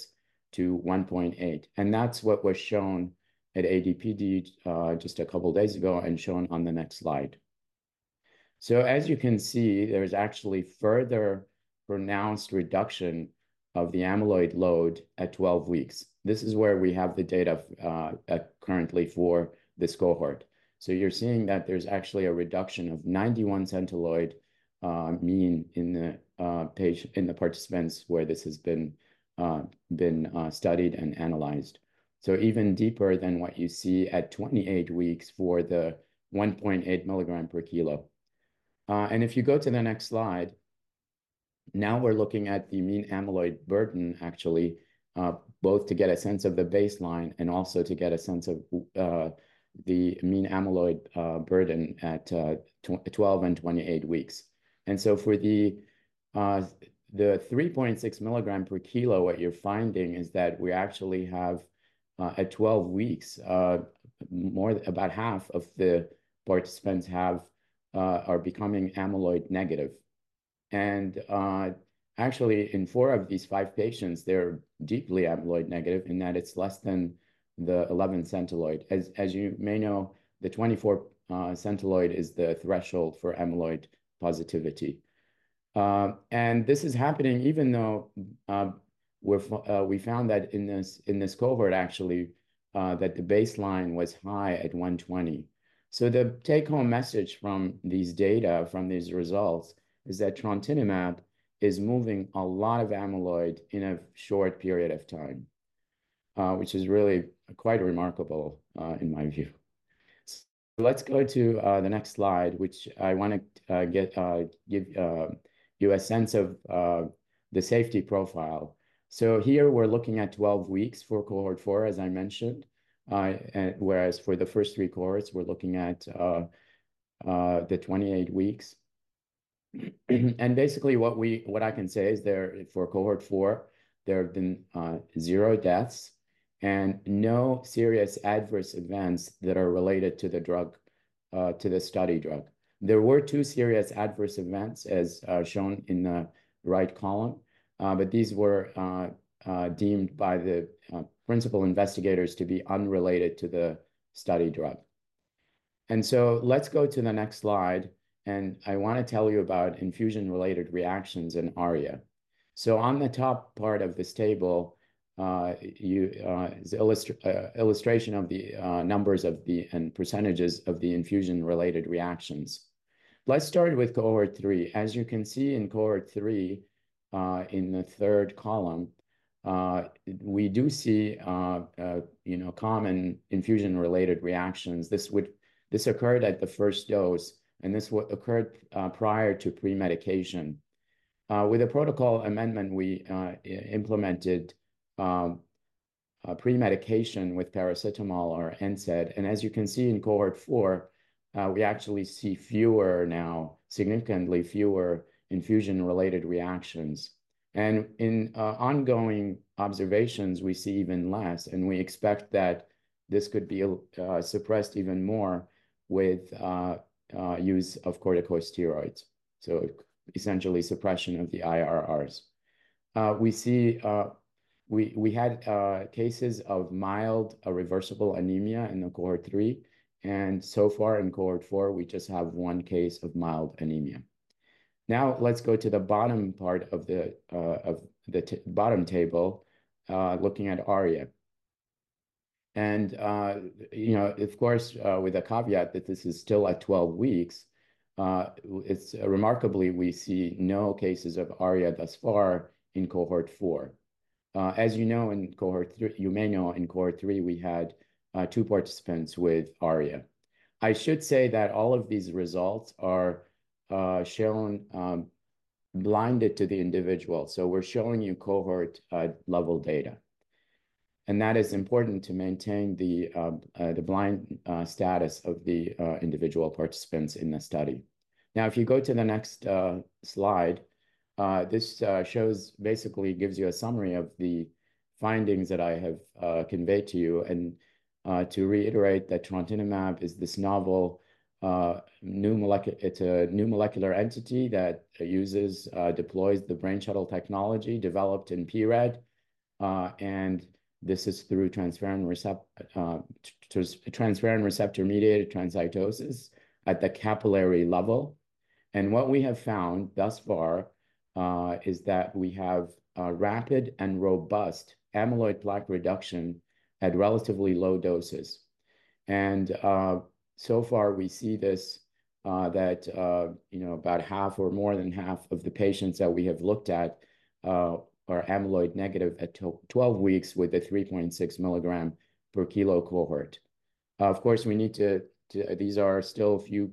to 1.8? And that's what was shown at ADPD just a couple of days ago and shown on the next slide. So as you can see, there is actually further pronounced reduction of the amyloid load at 12 weeks. This is where we have the data currently for this cohort. So you're seeing that there's actually a reduction of 91 centiloid mean in the participants where this has been studied and analyzed. So even deeper than what you see at 28 weeks for the 1.8 milligram per kilo. And if you go to the next slide, now we're looking at the mean amyloid burden, actually, both to get a sense of the baseline and also to get a sense of the mean amyloid burden at 12 and 28 weeks. And so for the 3.6 milligram per kilo, what you're finding is that we actually have at 12 weeks, more, about half of the participants are becoming amyloid negative. And actually, in 4 of these 5 patients, they're deeply amyloid negative, in that it's less than the 11 centiloid. As you may know, the 24 centiloid is the threshold for amyloid positivity. And this is happening even though we're we found that in this cohort, actually, that the baseline was high at 120. So the take-home message from these data, from these results, is that trontinemab is moving a lot of amyloid in a short period of time, which is really quite remarkable, in my view. Let's go to the next slide, which I wanna give you a sense of the safety profile. So here we're looking at 12 weeks for cohort four, as I mentioned, and whereas for the first three cohorts, we're looking at the 28 weeks. Basically, what I can say is there, for cohort 4, there have been 0 deaths and no serious adverse events that are related to the drug, to the study drug. There were 2 serious adverse events, as shown in the right column, but these were deemed by the principal investigators to be unrelated to the study drug. So let's go to the next slide, and I wanna tell you about infusion-related reactions in ARIA. So on the top part of this table, is illustration of the numbers and percentages of the infusion-related reactions. Let's start with cohort 3. As you can see in cohort 3, in the third column, we do see, you know, common infusion-related reactions. This occurred at the first dose, and this occurred prior to pre-medication. With a protocol amendment, we implemented pre-medication with paracetamol or NSAID, and as you can see in cohort 4, we actually see fewer now, significantly fewer infusion-related reactions. And in ongoing observations, we see even less, and we expect that this could be suppressed even more with use of corticosteroids, so essentially suppression of the IRRs. We see, we had cases of mild reversible anemia in the cohort 3, and so far in cohort 4, we just have 1 case of mild anemia. Now, let's go to the bottom part of the bottom table, looking at ARIA. You know, of course, with a caveat that this is still at 12 weeks, it's remarkable, we see no cases of ARIA thus far in cohort four. As you may know, in cohort three, we had two participants with ARIA. I should say that all of these results are shown blinded to the individual, so we're showing you cohort level data. And that is important to maintain the blind status of the individual participants in the study. Now, if you go to the next slide, this shows basically gives you a summary of the findings that I have conveyed to you. And, to reiterate that trontinemab is this novel, new molecu—it's a new molecular entity that uses, deploys the Brain Shuttle technology developed in pRED. And this is through transferrin receptor-mediated transcytosis at the capillary level. And what we have found thus far is that we have a rapid and robust amyloid plaque reduction at relatively low doses. And, so far, we see this, that, you know, about half or more than half of the patients that we have looked at are amyloid negative at 12 weeks with a 3.6 milligram per kilo cohort. Of course, we need to—these are still a few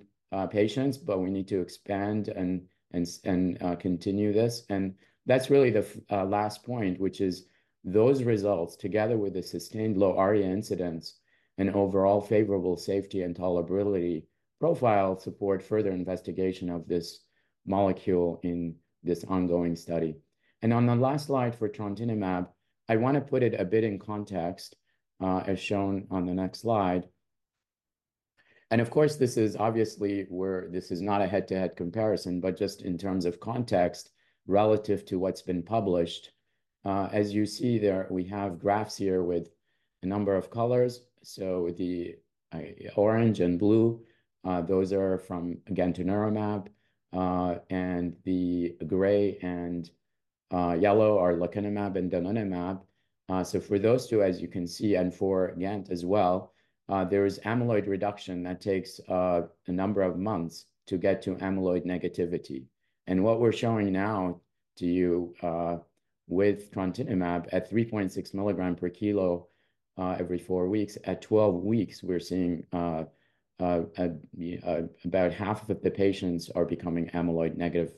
patients, but we need to expand and, and, continue this. And that's really the last point, which is those results, together with the sustained low ARIA incidence and overall favorable safety and tolerability profile, support further investigation of this molecule in this ongoing study. On the last slide for trontinemab, I wanna put it a bit in context, as shown on the next slide. And of course, this is obviously where this is not a head-to-head comparison, but just in terms of context relative to what's been published. As you see there, we have graphs here with a number of colors. So the orange and blue, those are from gantenerumab, and the gray and yellow are lecanemab and donanemab. So for those two, as you can see, and for gant as well, there is amyloid reduction that takes a number of months to get to amyloid negativity. What we're showing now to you with trontinemab at 3.6 milligram per kilo every 4 weeks, at 12 weeks, we're seeing about half of the patients are becoming amyloid negative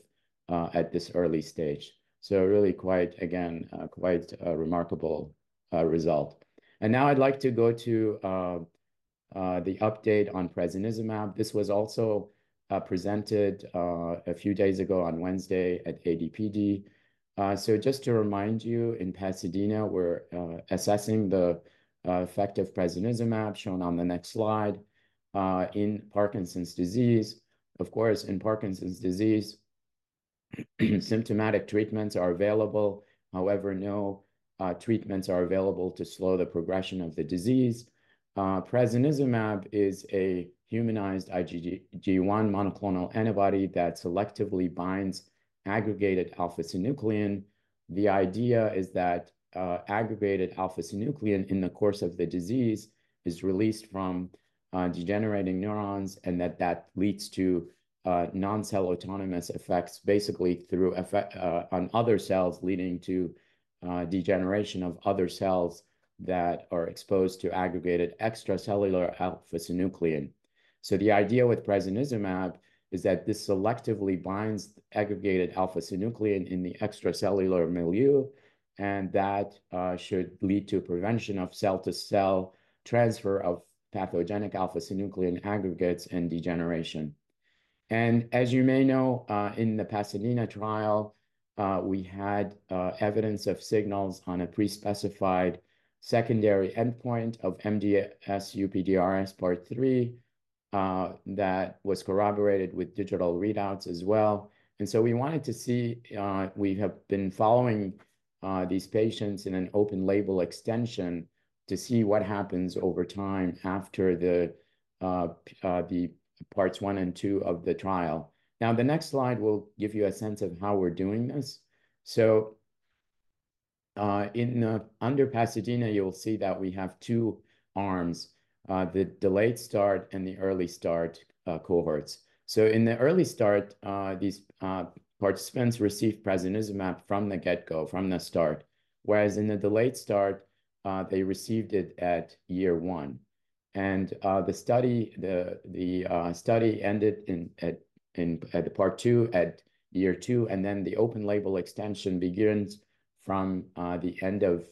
at this early stage. So really quite, again, quite a remarkable result. Now I'd like to go to the update on prasinezumab. This was also presented a few days ago on Wednesday at AD/PD. So just to remind you, in Pasadena, we're assessing the effect of prasinezumab, shown on the next slide, in Parkinson's disease. Of course, in Parkinson's disease, symptomatic treatments are available. However, no treatments are available to slow the progression of the disease. Prasinezumab is a humanized IgG1 monoclonal antibody that selectively binds aggregated alpha-synuclein. The idea is that, aggregated alpha-synuclein in the course of the disease is released from, degenerating neurons, and that that leads to, non-cell autonomous effects, basically through effect, on other cells, leading to, degeneration of other cells that are exposed to aggregated extracellular alpha-synuclein. So the idea with prasinezumab is that this selectively binds aggregated alpha-synuclein in the extracellular milieu, and that, should lead to prevention of cell-to-cell transfer of pathogenic alpha-synuclein aggregates and degeneration. And as you may know, in the PASADENA trial, we had, evidence of signals on a pre-specified secondary endpoint of MDS-UPDRS Part 3, that was corroborated with digital readouts as well. We wanted to see, we have been following these patients in an open-label extension to see what happens over time after the parts one and two of the trial. Now, the next slide will give you a sense of how we're doing this. So, in under PASADENA, you'll see that we have two arms, the delayed start and the early start cohorts. So in the early start, these participants received prasinezumab from the get-go, from the start, whereas in the delayed start, they received it at year one. And, the study ended at the part two, at year two, and then the open-label extension begins from the end of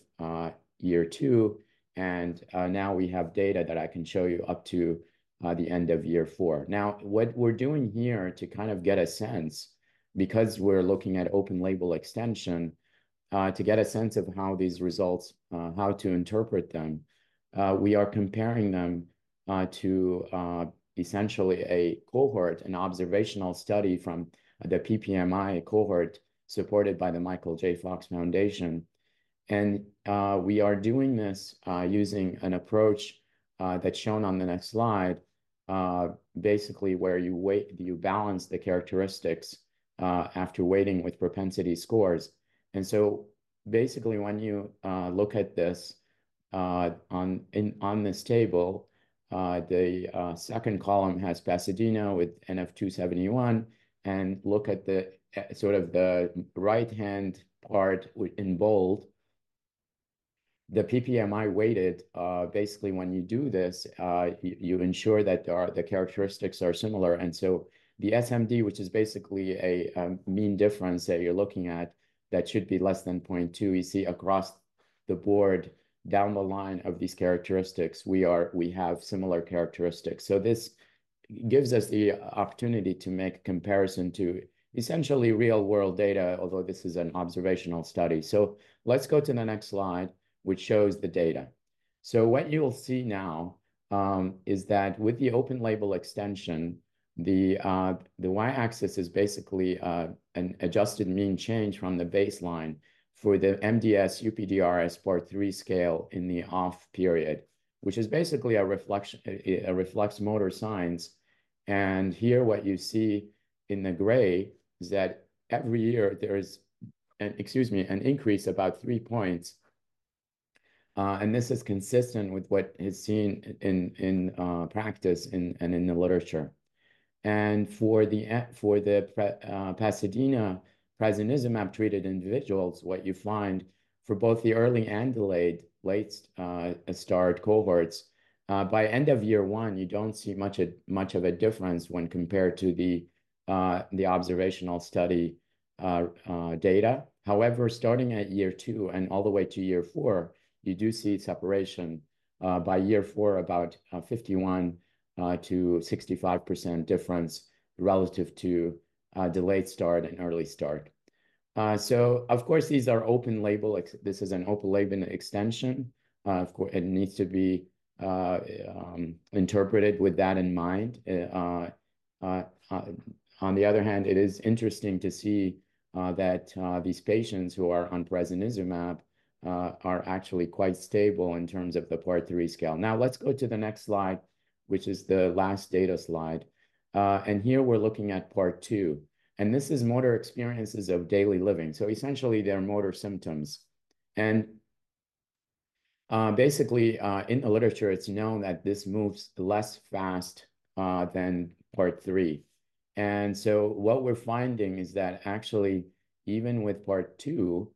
year two. Now we have data that I can show you up to the end of year four. Now, what we're doing here to kind of get a sense, because we're looking at open-label extension, to get a sense of how these results, how to interpret them, we are comparing them to essentially a cohort, an observational study from the PPMI cohort, supported by the Michael J. Fox Foundation. And, we are doing this using an approach that's shown on the next slide. Basically where you balance the characteristics after weighting with propensity scores. And so basically, when you look at this on this table, the second column has PASADENA with NF-271. Look at the sort of the right-hand part in bold, the PPMI weighted, basically, when you do this, you ensure that the characteristics are similar. So the SMD, which is basically a mean difference that you're looking at, that should be less than 0.2. You see across the board, down the line of these characteristics, we have similar characteristics. So this gives us the opportunity to make comparison to essentially real-world data, although this is an observational study. Let's go to the next slide, which shows the data. What you'll see now is that with the open-label extension, the y-axis is basically an adjusted mean change from the baseline for the MDS-UPDRS Part III scale in the Off period, which is basically a reflection of motor signs. Here, what you see in the gray is that every year there is an, excuse me, an increase about three points. This is consistent with what is seen in practice and in the literature. For the Pasadena prasinezumab treatment individuals, what you find for both the early and delayed-start cohorts, by end of year one, you don't see much of a difference when compared to the observational study data. However, starting at year two and all the way to year four, you do see separation. By year four, about 51%-65% difference relative to delayed start and early start. So of course, these are open label—this is an open-label extension. It needs to be interpreted with that in mind. On the other hand, it is interesting to see that these patients who are on prasinezumab are actually quite stable in terms of the Part III scale. Now, let's go to the next slide, which is the last data slide. Here we're looking at Part II, and this is motor experiences of daily living, so essentially, their motor symptoms. Basically, in the literature, it's known that this moves less fast than part III. So what we're finding is that actually, even with Part II,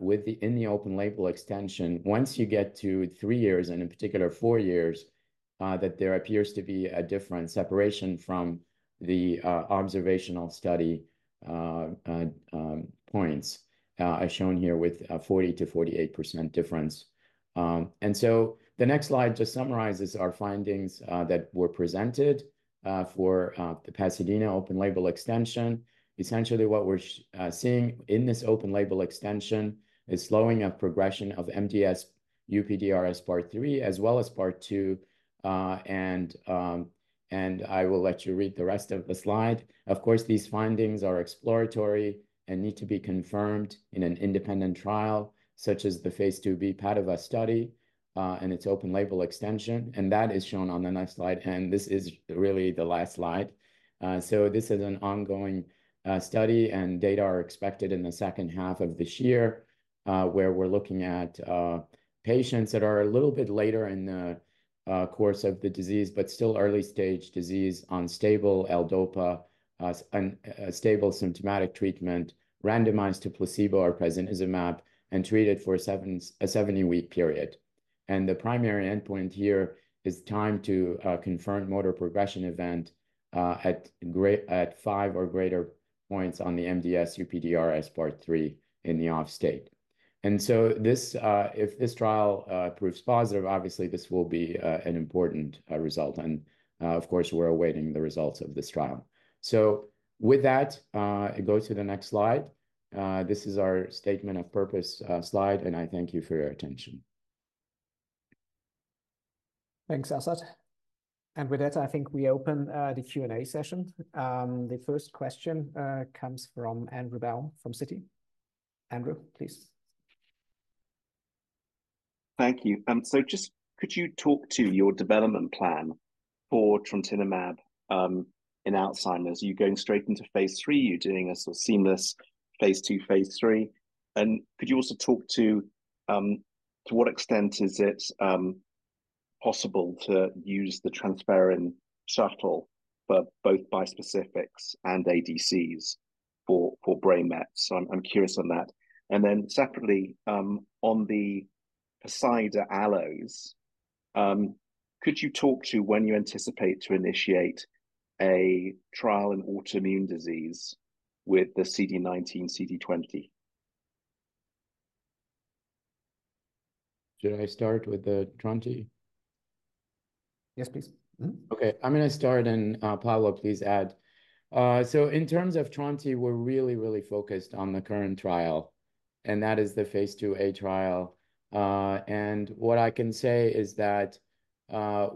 with the in the open-label extension, once you get to three years, and in particular, four years, that there appears to be a different separation from the observational study points, as shown here with 40%-48% difference. So the next slide just summarizes our findings that were presented for the Pasadena open-label extension. Essentially, what we're seeing in this open-label extension is slowing of progression of MDS-UPDRS Part III, as well as Part II. I will let you read the rest of the slide. Of course, these findings are exploratory and need to be confirmed in an independent trial, such as the phase II-B PADOVA study, and its open-label extension, and that is shown on the next slide. This is really the last slide. So this is an ongoing study, and data are expected in the second half of this year, where we're looking at patients that are a little bit later in the course of the disease, but still early-stage disease, on stable L-DOPA, stable symptomatic treatment, randomized to placebo or prasinezumab, and treated for a 70-week period. The primary endpoint here is time to confirmed motor progression event at 5 or greater points on the MDS-UPDRS Part III in the Off state. So, if this trial proves positive, obviously, this will be an important result, and, of course, we're awaiting the results of this trial. With that, go to the next slide. This is our statement of purpose slide, and I thank you for your attention. Thanks, Azad. And with that, I think we open the Q&A session. The first question comes from Andrew Baum from Citi. Andrew, please. Thank you. So just could you talk to your development plan for trontinemab, in Alzheimer's? Are you going straight into phase III? Are you doing a sort of seamless phase II, phase III? And could you also talk to what extent is it possible to use the transferrin shuttle, but both bispecifics and ADCs for brain mets? So I'm curious on that. And then separately, on the Poseida allos, could you talk to when you anticipate to initiate a trial in autoimmune disease with the CD19, CD20? Should I start with the trontinemab? Yes, please. Okay, I'm gonna start, and, Paulo, please add. So in terms of trontinemab, we're really, really focused on the current trial, and that is the phase II-A trial. And what I can say is that,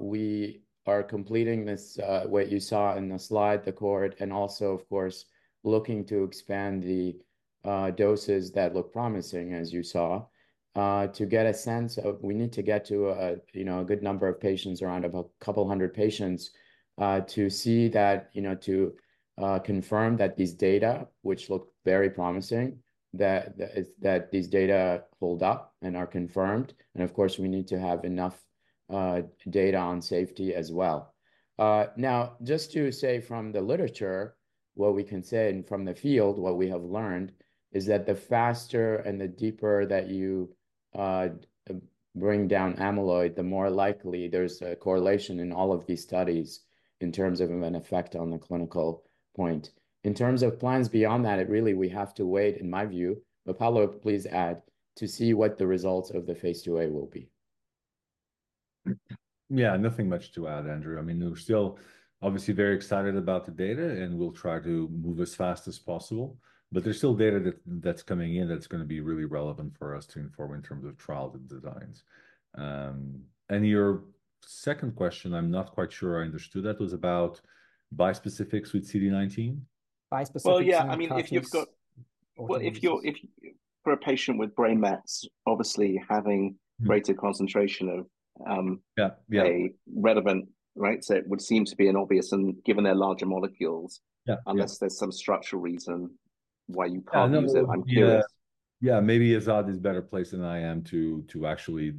we are completing this, what you saw in the slide, the cohort, and also of course, looking to expand the, doses that look promising, as you saw. To get a sense of we need to get to a, you know, a good number of patients, around about a couple hundred patients, to see that, you know, to, confirm that these data, which look very promising, that the, it's, that these data hold up and are confirmed. And of course, we need to have enough, data on safety as well. Now, just to say from the literature, what we can say, and from the field, what we have learned, is that the faster and the deeper that you bring down amyloid, the more likely there's a correlation in all of these studies in terms of an effect on the clinical point. In terms of plans beyond that, it really we have to wait, in my view, but Paulo, please add, to see what the results of the phase II-A will be. Yeah, nothing much to add, Andrew. I mean, we're still obviously very excited about the data, and we'll try to move as fast as possible, but there's still data that, that's coming in that's gonna be really relevant for us to inform in terms of trial and designs. And your second question, I'm not quite sure I understood that, was about bispecifics with CD19? Bispecifics- Well, yeah, I mean, if you've got, well, if for a patient with brain mets, obviously havin greater concentration of, Yeah, yeah A relevant, right? So it would seem to be an obvious, and given they're larger molecules- Yeah, yeah Unless there's some structural reason why you can't use it. I'm curious. Oh, no, yeah. Yeah, maybe Azad is better placed than I am to actually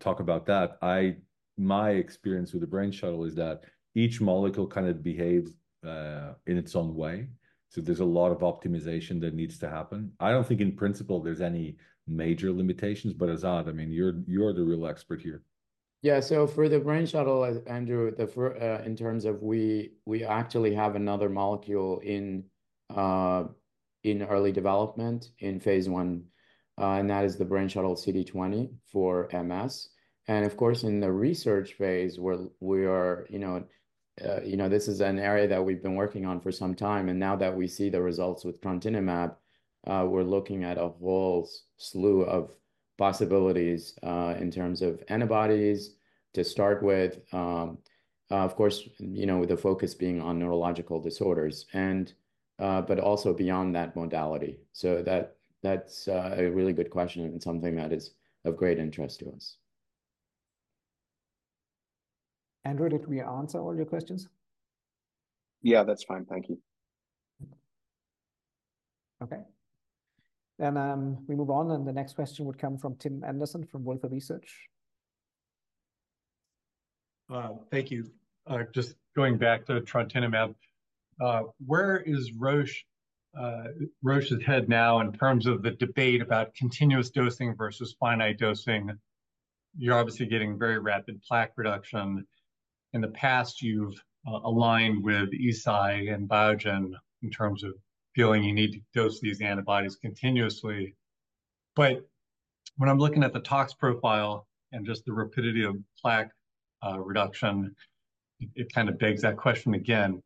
talk about that. My experience with the Brain Shuttle is that each molecule kind of behaves in its own way, so there's a lot of optimization that needs to happen. I don't think in principle there's any major limitations, but Azad, I mean, you're the real expert here. Yeah, so for the Brain Shuttle, Andrew, in terms of, we actually have another molecule in early development, in phase I, and that is the Brain Shuttle CD20 for MS. And of course, in the research phase, where we are, you know, you know, this is an area that we've been working on for some time, and now that we see the results with gantenerumab, we're looking at a whole slew of possibilities in terms of antibodies to start with. Of course, you know, with the focus being on neurological disorders, and but also beyond that modality. So that, that's a really good question and something that is of great interest to us. Andrew, did we answer all your questions? Yeah, that's fine. Thank you. Okay. Then, we move on, and the next question would come from Tim Anderson from Wolfe Research. Thank you. Just going back to gantenerumab, where is Roche's head now in terms of the debate about continuous dosing versus finite dosing? You're obviously getting very rapid plaque reduction. In the past, you've aligned with Eisai and Biogen in terms of feeling you need to dose these antibodies continuously. But when I'm looking at the tox profile and just the rapidity of plaque reduction, it kind of begs that question again.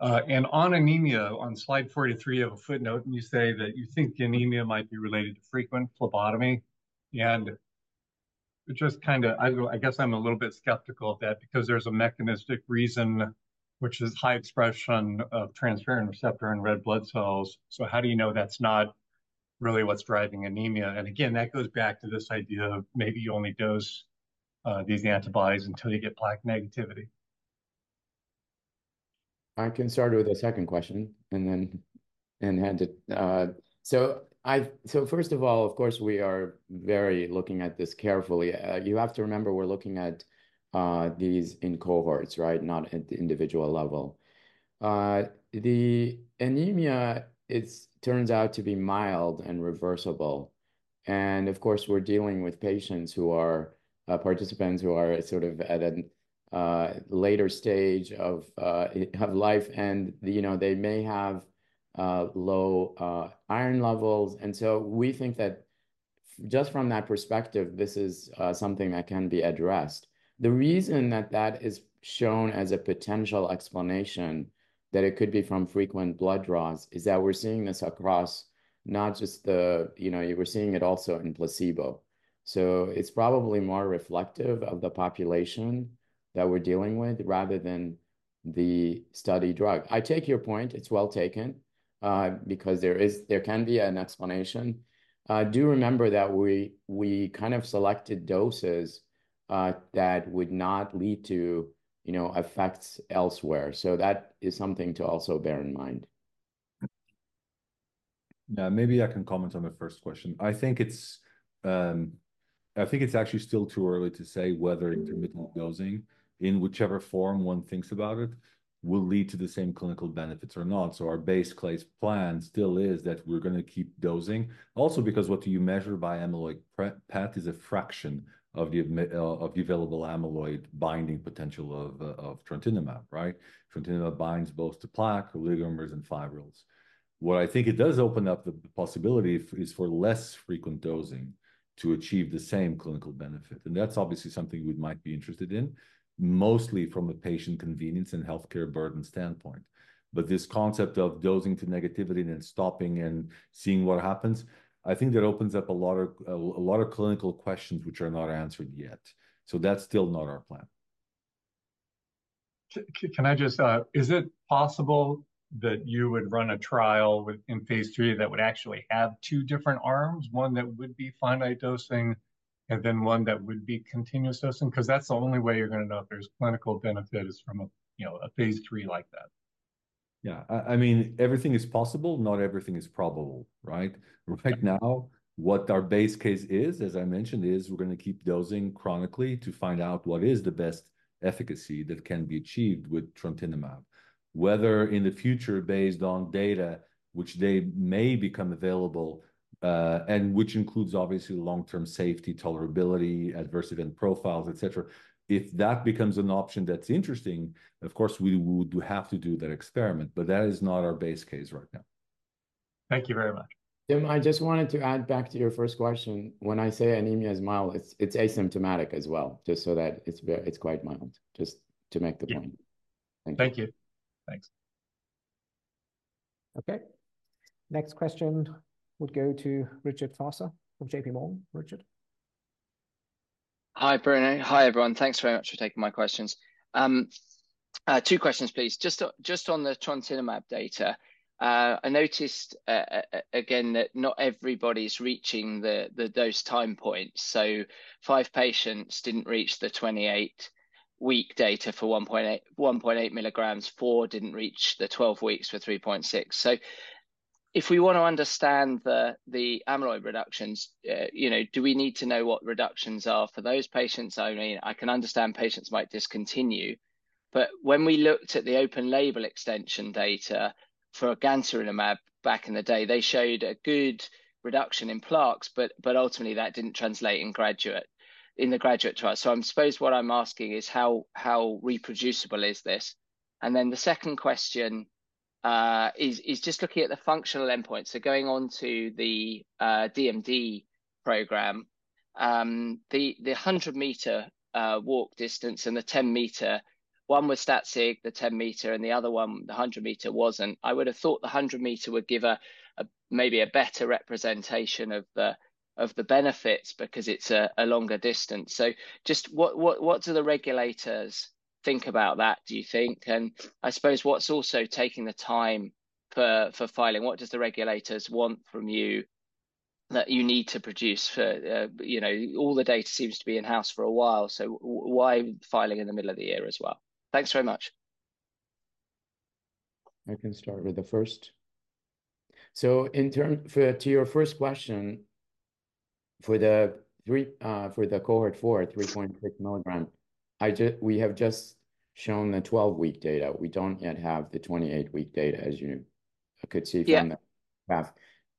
And on anemia, on slide 43, you have a footnote, and you say that you think anemia might be related to frequent phlebotomy, and it just kind of... I guess I'm a little bit skeptical of that because there's a mechanistic reason, which is high expression of transferrin receptor in red blood cells. So how do you know that's not really what's driving anemia? And again, that goes back to this idea of maybe you only dose these antibodies until you get plaque negativity. I can start with the second question and then hand it over. So first of all, of course, we are very looking at this carefully. You have to remember, we're looking at these in cohorts, right? Not at the individual level. The anemia, it turns out to be mild and reversible, and of course, we're dealing with patients who are participants who are sort of at a later stage of life, and you know, they may have low iron levels. And so we think that just from that perspective, this is something that can be addressed. The reason that that is shown as a potential explanation, that it could be from frequent blood draws, is that we're seeing this across not just the... you know, we're seeing it also in placebo. So it's probably more reflective of the population that we're dealing with, rather than the study drug. I take your point. It's well taken, because there can be an explanation. Do remember that we kind of selected doses that would not lead to, you know, effects elsewhere. So that is something to also bear in mind. Yeah, maybe I can comment on the first question. I think it's actually still too early to say whether intermittent dosing, in whichever form one thinks about it, will lead to the same clinical benefits or not. So our base case plan still is that we're gonna keep dosing. Also, because what do you measure by amyloid? p-tau is a fraction of the available amyloid binding potential of Gantenerumab, right? Gantenerumab binds both to plaque, oligomers, and fibrils. What I think it does open up the possibility is for less frequent dosing to achieve the same clinical benefit, and that's obviously something we might be interested in, mostly from a patient convenience and healthcare burden standpoint. But this concept of dosing to negativity, then stopping and seeing what happens, I think that opens up a lot of clinical questions which are not answered yet. So that's still not our plan. Can I just, is it possible that you would run a trial with, in phase III that would actually have two different arms? One that would be finite dosing, and then one that would be continuous dosing? 'Cause that's the only way you're gonna know if there's clinical benefit is from a, you know, a phase III like that. Yeah, I mean, everything is possible, not everything is probable, right? Right now, what our base case is, as I mentioned, is we're gonna keep dosing chronically to find out what is the best efficacy that can be achieved with trontinemab. Whether in the future, based on data, which they may become available, and which includes obviously long-term safety, tolerability, adverse event profiles, et cetera. If that becomes an option that's interesting, of course, we would have to do that experiment, but that is not our base case right now. Thank you very much. Tim, I just wanted to add back to your first question. When I say anemia is mild, it's asymptomatic as well, just so that it's quite mild. Just to make the point. Yeah. Thank you. Thank you. Thanks. Okay. Next question would go to Richard Vosser from JPMorgan. Richard? Hi, Bruno. Hi, everyone. Thanks very much for taking my questions. Two questions, please. Just on the trontinemab data, I noticed again that not everybody's reaching the dose time point. So five patients didn't reach the 28-week data for 1.8, 1.8 milligrams. Four didn't reach the 12 weeks for 3.6. So if we want to understand the amyloid reductions, you know, do we need to know what reductions are for those patients only? I can understand patients might discontinue, but when we looked at the open label extension data for gantenerumab back in the day, they showed a good reduction in plaques, but ultimately, that didn't translate in the GRADUATE trial. So I suppose what I'm asking is how reproducible is this? And then the second question is just looking at the functional endpoint. So going on to the DMD program, the 100-meter walk distance and the 10-meter one was stat sig, the 10 meter, and the other one, the 100 meter, wasn't. I would have thought the 100 meter would give a maybe a better representation of the benefits because it's a longer distance. So just what do the regulators think about that, do you think? And I suppose what's also taking the time for filing, what does the regulators want from you that you need to produce for... You know, all the data seems to be in-house for a while, so why filing in the middle of the year as well? Thanks very much. I can start with the first. So, to your first question, for the cohort four, 3.6 milligram, we have just shown the 12-week data. We don't yet have the 28-week data, as you could see- Yeah From the graph.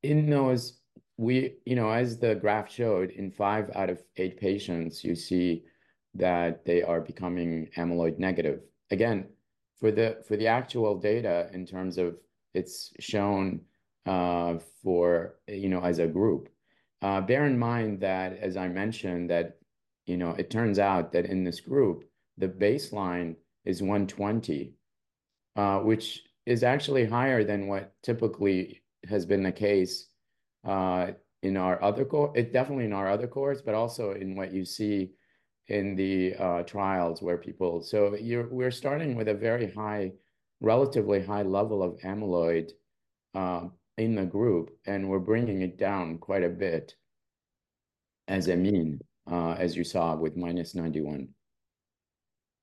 In those, we, you know, as the graph showed, in 5 out of 8 patients, you see that they are becoming amyloid negative. Again, for the actual data, in terms of it's shown, for, you know, as a group, bear in mind that, as I mentioned, that, you know, it turns out that in this group, the baseline is 120, which is actually higher than what typically has been the case, in our other co- definitely in our other cohorts, but also in what you see in the, trials where people... So we're starting with a very high, relatively high level of amyloid, in the group, and we're bringing it down quite a bit, as a mean, as you saw, with -91.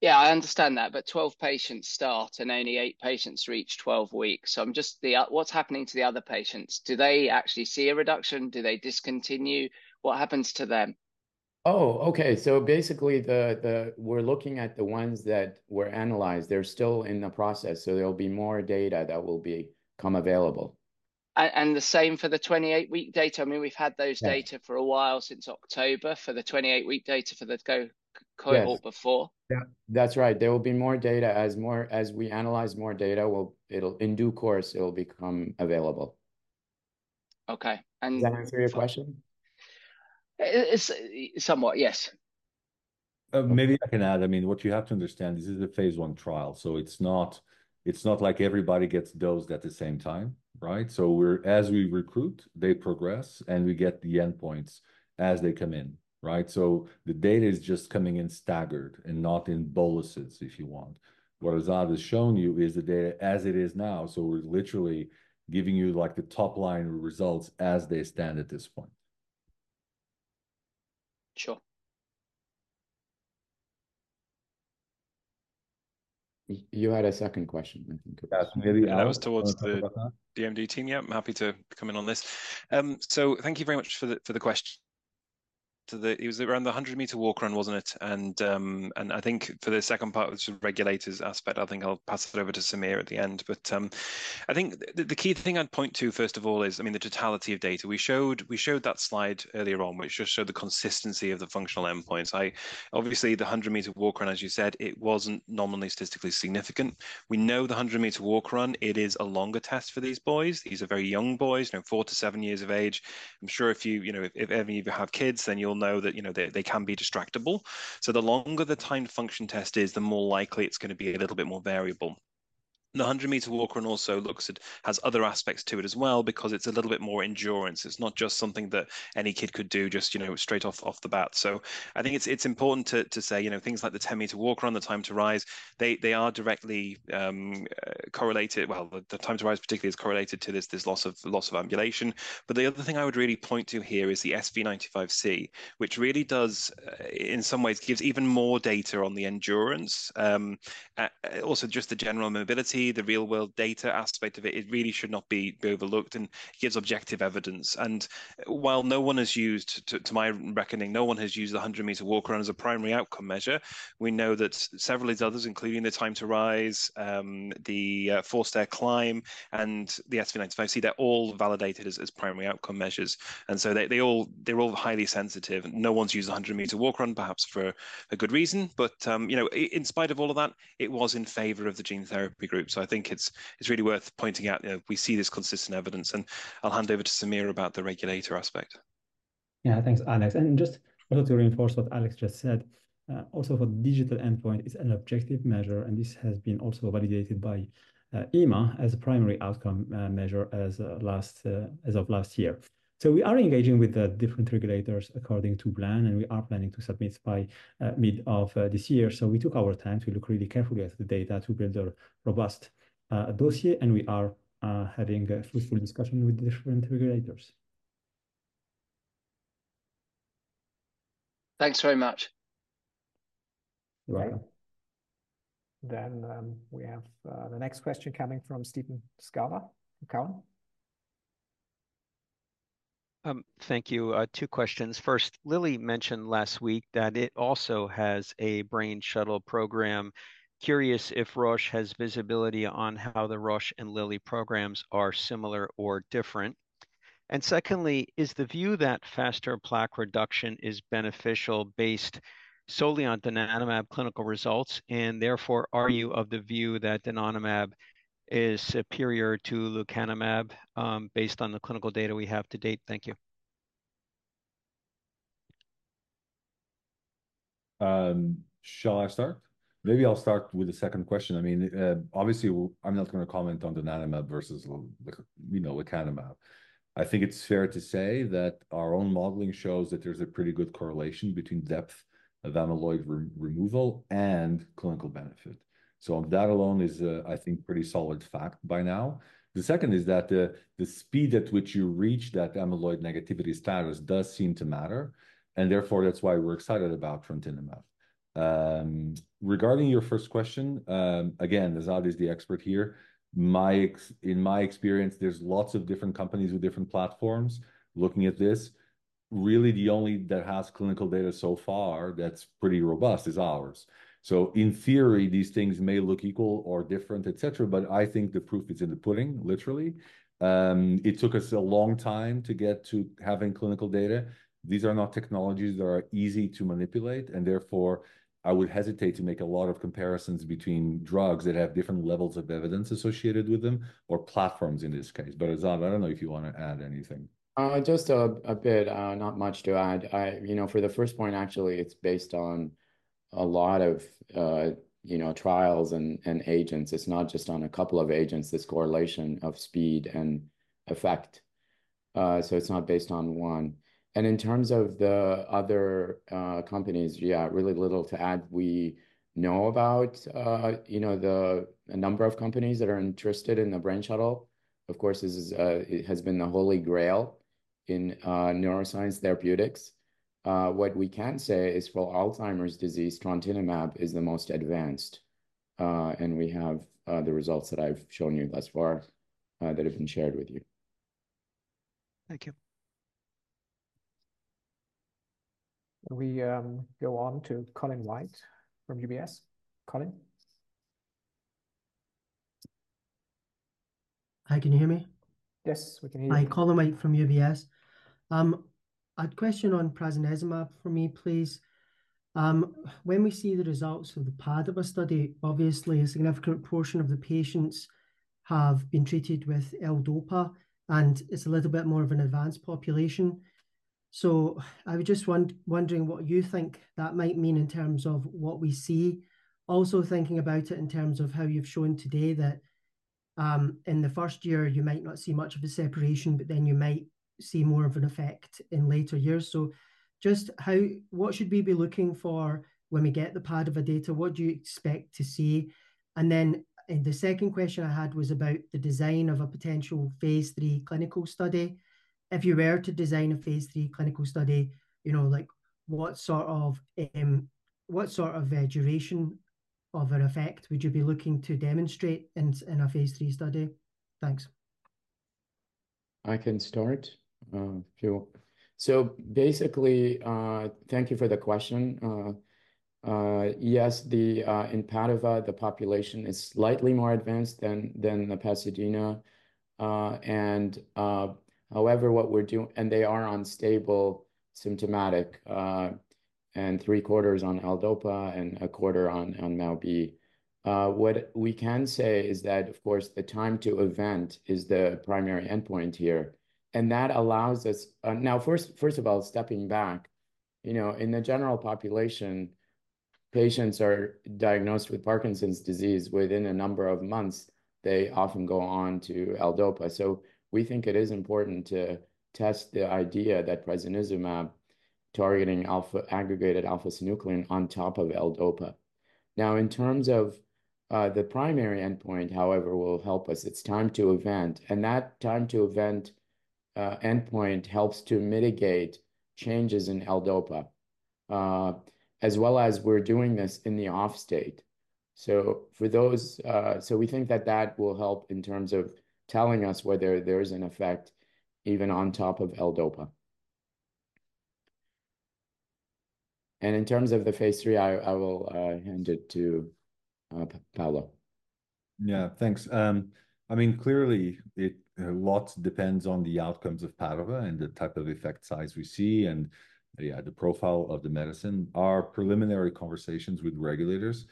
Yeah, I understand that, but 12 patients start, and only eight patients reach 12 weeks. So I'm just... what's happening to the other patients? Do they actually see a reduction? Do they discontinue? What happens to them? Oh, okay. So basically, we're looking at the ones that were analyzed. They're still in the process, so there will be more data that will become available. And the same for the 28-week data? I mean, we've had those data- Yeah For a while, since October, for the 28-week data for the core cohort before. Yeah. That's right. There will be more data. As we analyze more data, it'll, in due course, it will become available. Okay, and- Does that answer your question? It's somewhat, yes. Maybe I can add. I mean, what you have to understand, this is a phase I trial, so it's not, it's not like everybody gets dosed at the same time, right? So we're, as we recruit, they progress, and we get the endpoints as they come in, right? So the data is just coming in staggered and not in boluses, if you want. What Azad is showing you is the data as it is now, so we're literally giving you, like, the top-line results as they stand at this point. Sure. You had a second question, I think. Yes, maybe- That was towards the- Do you want to talk about that? DMD team. Yeah, I'm happy to come in on this. So thank you very much for the, for the question. To the- it was around the 100-meter walk/run, wasn't it? And, and I think for the second part, which is regulators aspect, I think I'll pass it over to Samir at the end. But, I think the, the key thing I'd point to, first of all, is, I mean, the totality of data. We showed, we showed that slide earlier on, which just showed the consistency of the functional endpoints. I- obviously, the 100-meter walk/run, as you said, it wasn't nominally statistically significant. We know the 100-meter walk/run, it is a longer test for these boys. These are very young boys, you know, four to seven years of age. I'm sure if you, you know, if any of you have kids, then you'll know that, you know, they, they can be distractible. So the longer the timed function test is, the more likely it's gonna be a little bit more variable. The 100-meter walk run also looks it has other aspects to it as well, because it's a little bit more endurance. It's not just something that any kid could do, just, you know, straight off, off the bat. So I think it's important to say, you know, things like the 10-meter walk run, the time to rise, they are directly correlated. Well, the time to rise particularly is correlated to this loss of ambulation. But the other thing I would really point to here is the SV95C, which really does in some ways gives even more data on the endurance. Also, just the general mobility, the real-world data aspect of it, it really should not be overlooked and gives objective evidence. While no one has used, to my reckoning, no one has used the 100-meter walk run as a primary outcome measure, we know that several others, including the time to rise, the forced stair climb, and the SV95C, they're all validated as primary outcome measures. So they all, they're all highly sensitive, and no one's used the 100-meter walk run, perhaps for a good reason. But you know, in spite of all of that, it was in favor of the gene therapy group. So I think it's really worth pointing out, you know, we see this consistent evidence, and I'll hand over to Samir about the regulatory aspect. Yeah, thanks, Alex. And just also to reinforce what Alex just said, also for the digital endpoint, it's an objective measure, and this has been also validated by EMA as a primary outcome measure as of last year. So we are engaging with the different regulators according to plan, and we are planning to submit by mid of this year. So we took our time to look really carefully at the data to build a robust dossier, and we are having a fruitful discussion with the different regulators. Thanks very much. You're welcome. We have the next question coming from Steven Scala, Cowen. Thank you. Two questions. First, Lilly mentioned last week that it also has a Brain Shuttle program. Curious if Roche has visibility on how the Roche and Lilly programs are similar or different? And secondly, is the view that faster plaque reduction is beneficial based solely on donanemab clinical results, and therefore, are you of the view that donanemab is superior to lecanemab, based on the clinical data we have to date? Thank you. Shall I start? Maybe I'll start with the second question. I mean, obviously, I'm not gonna comment on donanemab versus lecanemab. I think it's fair to say that our own modeling shows that there's a pretty good correlation between depth of amyloid removal and clinical benefit. So that alone is a, I think, pretty solid fact by now. The second is that the speed at which you reach that amyloid negativity status does seem to matter, and therefore, that's why we're excited about trontinemab. Regarding your first question, again, Azad is the expert here. In my experience, there's lots of different companies with different platforms looking at this. Really, the only that has clinical data so far that's pretty robust is ours. So in theory, these things may look equal or different, et cetera, but I think the proof is in the pudding, literally. It took us a long time to get to having clinical data. These are not technologies that are easy to manipulate, and therefore, I would hesitate to make a lot of comparisons between drugs that have different levels of evidence associated with them or platforms in this case. But Azad, I don't know if you want to add anything. Just a bit, not much to add. I you know, for the first point, actually, it's based on a lot of you know, trials and agents. It's not just on a couple of agents, this correlation of speed and effect. So it's not based on one. And in terms of the other companies, yeah, really little to add. We know about you know, a number of companies that are interested in the Brain Shuttle. Of course, this is it has been the holy grail in neuroscience therapeutics. What we can say is for Alzheimer's disease, trontinemab is the most advanced, and we have the results that I've shown you thus far that have been shared with you. Thank you. We go on to Colin White from UBS. Colin? Hi, can you hear me? Yes, we can hear you. Hi, Colin White from UBS. A question on prasinezumab for me, please. When we see the results of the PADOVA study, obviously, a significant portion of the patients have been treated with L-DOPA, and it's a little bit more of an advanced population. So I was just wondering what you think that might mean in terms of what we see. Also, thinking about it in terms of how you've shown today that, in the first year, you might not see much of a separation, but then you might see more of an effect in later years. So just what should we be looking for when we get the PADOVA data? What do you expect to see? And then, the second question I had was about the design of a potential phase III clinical study. If you were to design a phase III clinical study, you know, like, what sort of a duration of an effect would you be looking to demonstrate in a phase III study? Thanks. I can start if you... So basically, thank you for the question. Yes, in PADOVA, the population is slightly more advanced than the PASADENA. And however, what we're do-- and they are on stable, symptomatic, and 3/4 on L-DOPA and 1/4 on MAO-B. What we can say is that, of course, the time to event is the primary endpoint here, and that allows us... Now, first of all, stepping back... you know, in the general population, patients are diagnosed with Parkinson's disease within a number of months. They often go on to L-DOPA. So we think it is important to test the idea that prasinezumab targeting aggregated alpha-synuclein on top of L-DOPA. Now, in terms of the primary endpoint, however, will help us, it's time to event. And that time to event endpoint helps to mitigate changes in L-DOPA, as well as we're doing this in the off state. So we think that that will help in terms of telling us whether there's an effect even on top of L-DOPA. And in terms of the phase III, I, I will hand it to Paulo. Yeah, thanks. I mean, clearly, a lot depends on the outcomes of PASADENA and the type of effect size we see, and, yeah, the profile of the medicine. Our preliminary conversations with regulators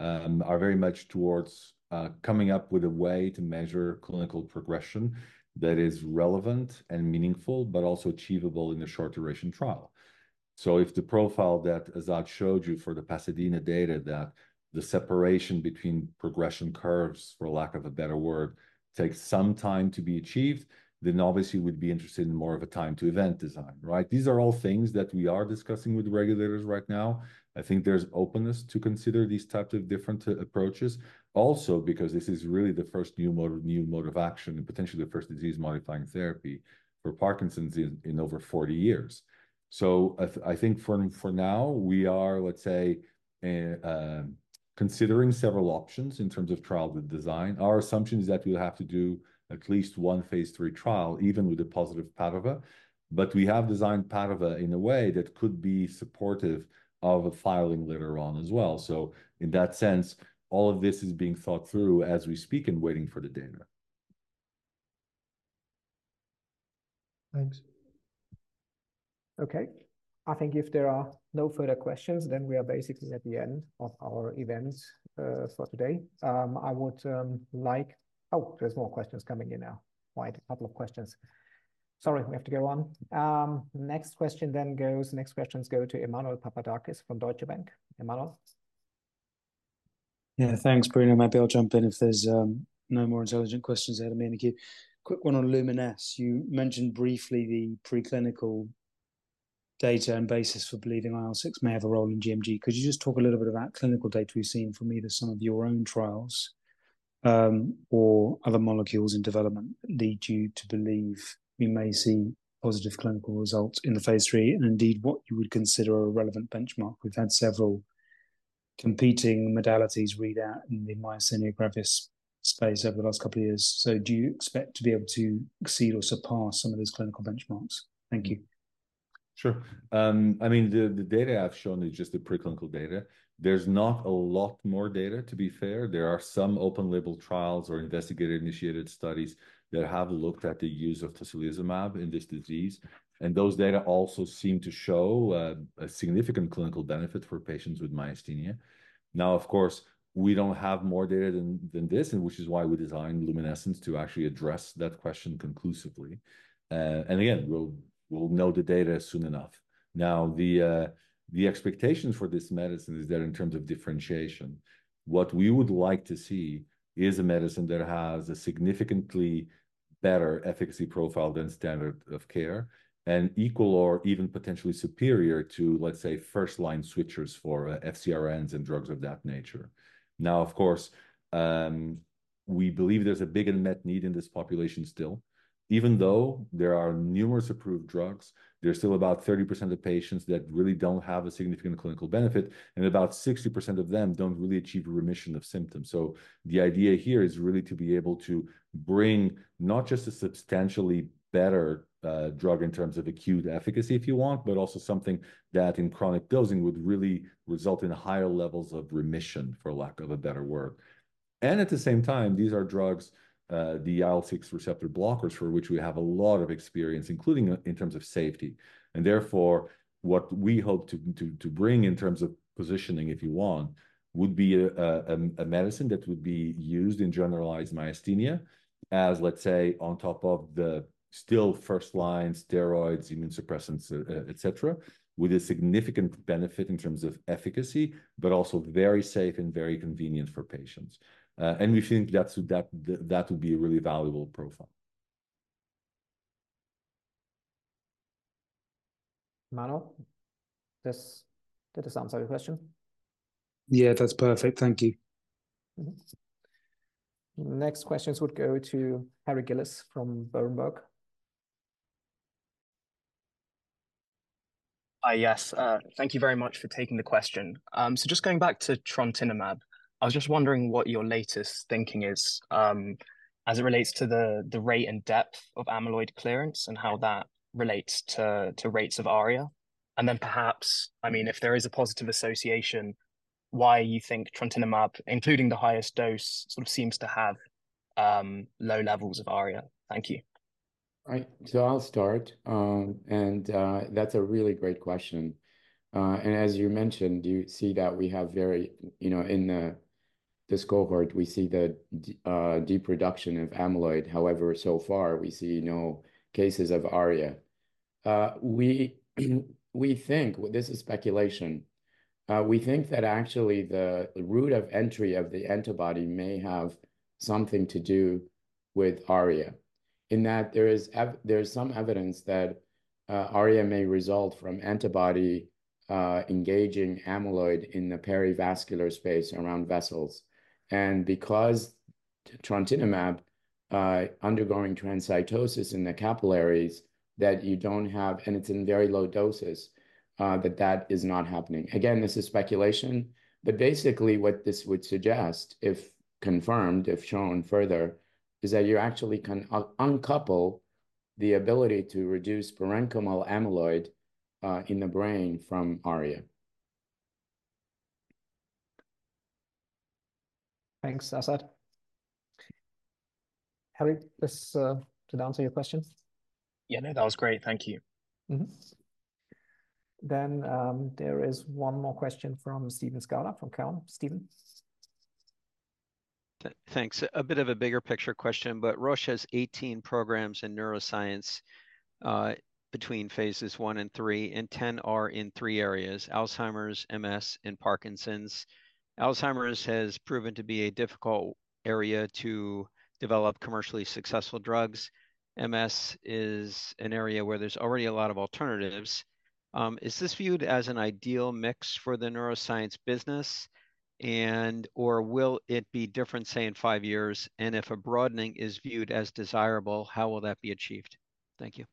are very much towards coming up with a way to measure clinical progression that is relevant and meaningful, but also achievable in a short-duration trial. So if the profile that Azad showed you for the PASADENA data, that the separation between progression curves, for lack of a better word, takes some time to be achieved, then obviously we'd be interested in more of a time-to-event design, right? These are all things that we are discussing with the regulators right now. I think there's openness to consider these types of different approaches. Also, because this is really the first new mode, new mode of action and potentially the first disease-modifying therapy for Parkinson's in, in over 40 years. So I, I think for, for now, we are, let's say, considering several options in terms of trial design. Our assumption is that we'll have to do at least one Phase III trial, even with a positive PADOVA, but we have designed PADOVA in a way that could be supportive of a filing later on as well. So in that sense, all of this is being thought through as we speak and waiting for the data. Thanks. Okay. I think if there are no further questions, then we are basically at the end of our event for today. I would like... Oh, there's more questions coming in now. Quite a couple of questions. Sorry, we have to go on. Next question then goes-next questions go to Emmanuel Papadakis from Deutsche Bank. Emmanuel? Yeah, thanks, Bruno. Maybe I'll jump in if there's no more intelligent questions ahead of me in the queue. Quick one on LUMINESCE. You mentioned briefly the preclinical data and basis for believing IL-6 may have a role in gMG. Could you just talk a little bit about clinical data we've seen from either some of your own trials, or other molecules in development that lead you to believe we may see positive clinical results in the phase III, and indeed, what you would consider a relevant benchmark? We've had several competing modalities read out in the myasthenia gravis space over the last couple of years. So do you expect to be able to exceed or surpass some of those clinical benchmarks? Thank you. Sure. I mean, the data I've shown is just the preclinical data. There's not a lot more data, to be fair. There are some open label trials or investigator-initiated studies that have looked at the use of tocilizumab in this disease, and those data also seem to show a significant clinical benefit for patients with myasthenia. Now, of course, we don't have more data than this, and which is why we designed LUMINESCE to actually address that question conclusively. And again, we'll know the data soon enough. Now, the expectation for this medicine is that in terms of differentiation, what we would like to see is a medicine that has a significantly better efficacy profile than standard of care, and equal or even potentially superior to, let's say, first-line switchers for FcRNs and drugs of that nature. Now, of course, we believe there's a big unmet need in this population still. Even though there are numerous approved drugs, there are still about 30% of patients that really don't have a significant clinical benefit, and about 60% of them don't really achieve a remission of symptoms. So the idea here is really to be able to bring not just a substantially better, drug in terms of acute efficacy, if you want, but also something that in chronic dosing would really result in higher levels of remission, for lack of a better word. And at the same time, these are drugs, the IL-6 receptor blockers, for which we have a lot of experience, including in terms of safety. Therefore, what we hope to bring in terms of positioning, if you want, would be a medicine that would be used in generalized myasthenia as, let's say, on top of the still first-line steroids, immune suppressants, et cetera, with a significant benefit in terms of efficacy, but also very safe and very convenient for patients. We think that would be a really valuable profile. Emmanuel, did this answer your question? Yeah, that's perfect. Thank you. Next questions would go to Harry Gillis from Berenberg. Yes. Thank you very much for taking the question. So just going back to trontinemab, I was just wondering what your latest thinking is, as it relates to the rate and depth of amyloid clearance and how that relates to rates of ARIA. And then perhaps, I mean, if there is a positive association, why you think trontinemab, including the highest dose, sort of seems to have low levels of ARIA? Thank you. Right. So I'll start, and that's a really great question. And as you mentioned, you see that we have deep reduction of amyloid. However, so far, we see no cases of ARIA. We think, well, this is speculation, we think that actually the route of entry of the antibody may have something to do with ARIA, in that there is some evidence that ARIA may result from antibody engaging amyloid in the perivascular space around vessels. And because trastuzumab undergoing transcytosis in the capillaries, that you don't have—and it's in very low doses. That is not happening. Again, this is speculation, but basically, what this would suggest, if confirmed, if shown further, is that you actually can uncouple the ability to reduce parenchymal amyloid in the brain from ARIA. Thanks, Azad. Harry, did that answer your questions? Yeah. No, that was great, thank you. Then, there is one more question from Steven Scala from Cowen. Steven? Thanks. A bit of a bigger picture question, but Roche has 18 programs in neuroscience between phases I and III, and 10 are in threp areas: Alzheimer's, MS, and Parkinson's. Alzheimer's has proven to be a difficult area to develop commercially successful drugs. MS is an area where there's already a lot of alternatives. Is this viewed as an ideal mix for the neuroscience business, and, or will it be different, say, in five years? And if a broadening is viewed as desirable, how will that be achieved? Thank you.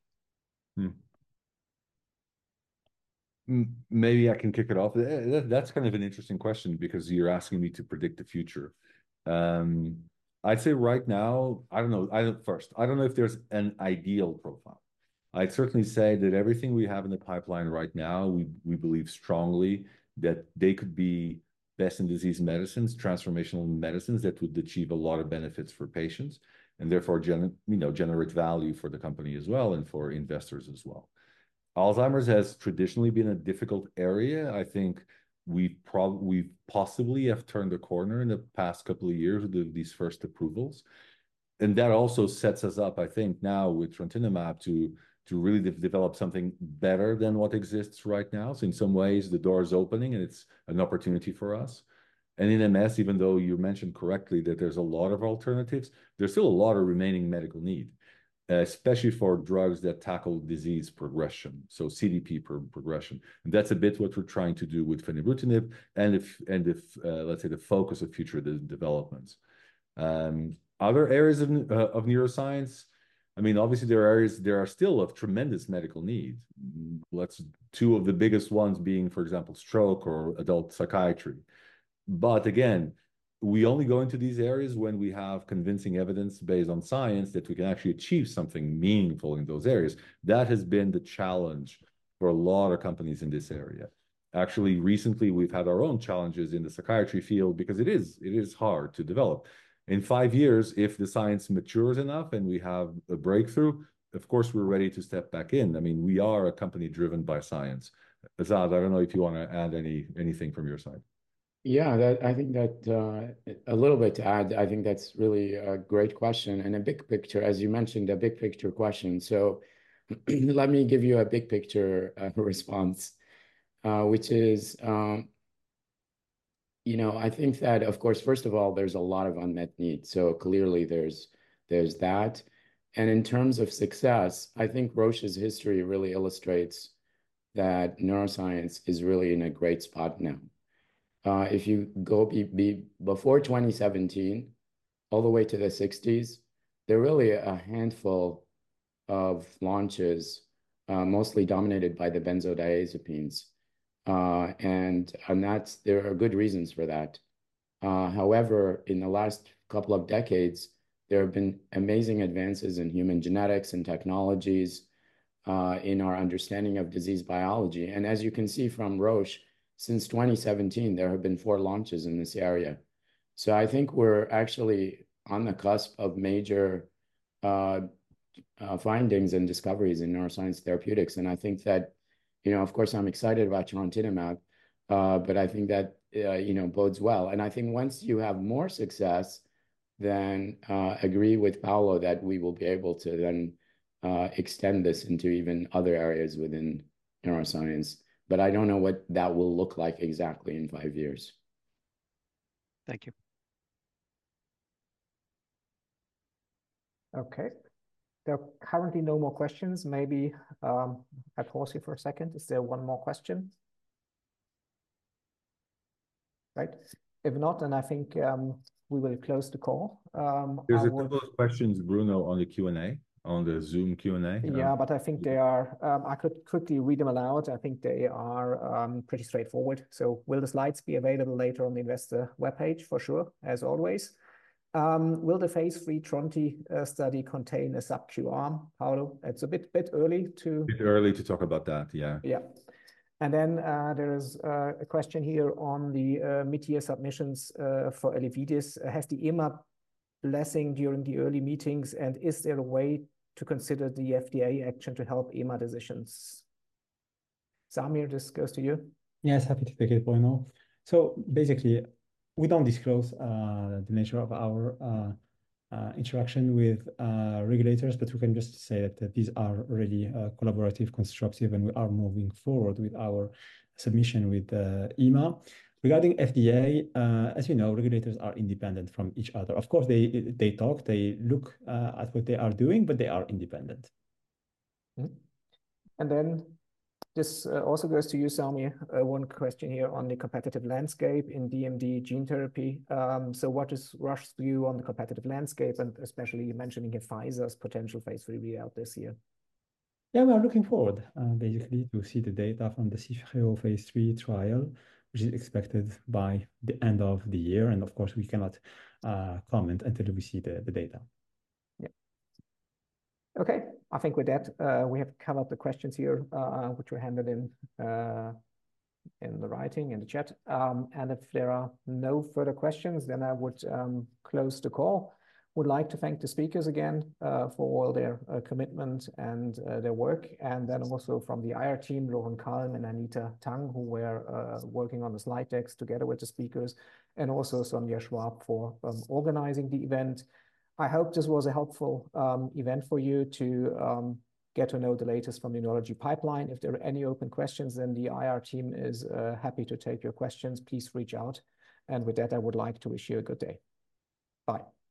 Maybe I can kick it off. That's kind of an interesting question because you're asking me to predict the future. I'd say right now, I don't know. First, I don't know if there's an ideal profile. I'd certainly say that everything we have in the pipeline right now, we believe strongly that they could be best-in-disease medicines, transformational medicines, that would achieve a lot of benefits for patients, and therefore, you know, generate value for the company as well, and for investors as well. Alzheimer's has traditionally been a difficult area. I think we've probably possibly have turned a corner in the past couple of years with these first approvals. And that also sets us up, I think now with trontinemab, to really develop something better than what exists right now. So in some ways, the door is opening, and it's an opportunity for us. And in MS, even though you mentioned correctly that there's a lot of alternatives, there's still a lot of remaining medical need, especially for drugs that tackle disease progression, so CDP progression. And that's a bit what we're trying to do with fenebrutinib, and if, let's say, the focus of future developments. Other areas of neuroscience, I mean, obviously, there are areas there are still of tremendous medical need. Let's, two of the biggest ones being, for example, stroke or adult psychiatry. But again, we only go into these areas when we have convincing evidence based on science that we can actually achieve something meaningful in those areas. That has been the challenge for a lot of companies in this area. Actually, recently, we've had our own challenges in the psychiatry field because it is, it is hard to develop. In five years, if the science matures enough, and we have a breakthrough, of course, we're ready to step back in. I mean, we are a company driven by science. Azad, I don't know if you want to add anything from your side. Yeah, that... I think that, a little bit to add, I think that's really a great question, and a big picture, as you mentioned, a big-picture question. So let me give you a big-picture response, which is, you know, I think that, of course, first of all, there's a lot of unmet needs, so clearly, there's that. And in terms of success, I think Roche's history really illustrates that neuroscience is really in a great spot now. If you go before 2017 all the way to the 1960s, there are really a handful of launches, mostly dominated by the benzodiazepines, and that's, there are good reasons for that. However, in the last couple of decades, there have been amazing advances in human genetics and technologies, in our understanding of disease biology. As you can see from Roche, since 2017, there have been four launches in this area. So I think we're actually on the cusp of major findings and discoveries in neuroscience therapeutics, and I think that you know, of course, I'm excited about trastuzumab, but I think that you know, bodes well. And I think once you have more success, then agree with Paulo, that we will be able to then extend this into even other areas within neuroscience. But I don't know what that will look like exactly in five years. Thank you. Okay. There are currently no more questions. Maybe, I pause here for a second. Is there one more question? Right. If not, then I think, we will close the call. I- There's a couple of questions, Bruno, on the Q&A, on the Zoom Q&A. Yeah, but I think they are... I could quickly read them aloud. I think they are pretty straightforward. So will the slides be available later on the investor webpage? For sure, as always. Will the phase III trontinemab study contain a sub-Q, Paulo? It's a bit early to- Bit early to talk about that, yeah. Yeah. And then, there is a question here on the mid-year submissions for Elevidys. Has the EMA blessing during the early meetings, and is there a way to consider the FDA action to help EMA decisions? Samir, this goes to you. Yes, happy to take it, Bruno. So basically, we don't disclose the nature of our interaction with regulators, but we can just say that these are really collaborative, constructive, and we are moving forward with our submission with the EMA. Regarding FDA, as you know, regulators are independent from each other. Of course, they talk, they look at what they are doing, but they are independent. And then this also goes to you, Samir. One question here on the competitive landscape in DMD gene therapy. So what is Roche's view on the competitive landscape, and especially mentioning Pfizer's potential phase III readout this year? Yeah, we are looking forward, basically, to see the data from the CIFFREO phase III trial, which is expected by the end of the year. Of course, we cannot comment until we see the data. Yeah. Okay, I think with that, we have covered the questions here, which were handed in writing in the chat. And if there are no further questions, then I would close the call. Would like to thank the speakers again for all their commitment and their work. And then also from the IR team, Lauren Carlen and Anita Tang, who were working on the slide decks together with the speakers, and also Sonia Schwab for organizing the event. I hope this was a helpful event for you to get to know the latest from the neurology pipeline. If there are any open questions, then the IR team is happy to take your questions. Please reach out, and with that, I would like to wish you a good day. Bye.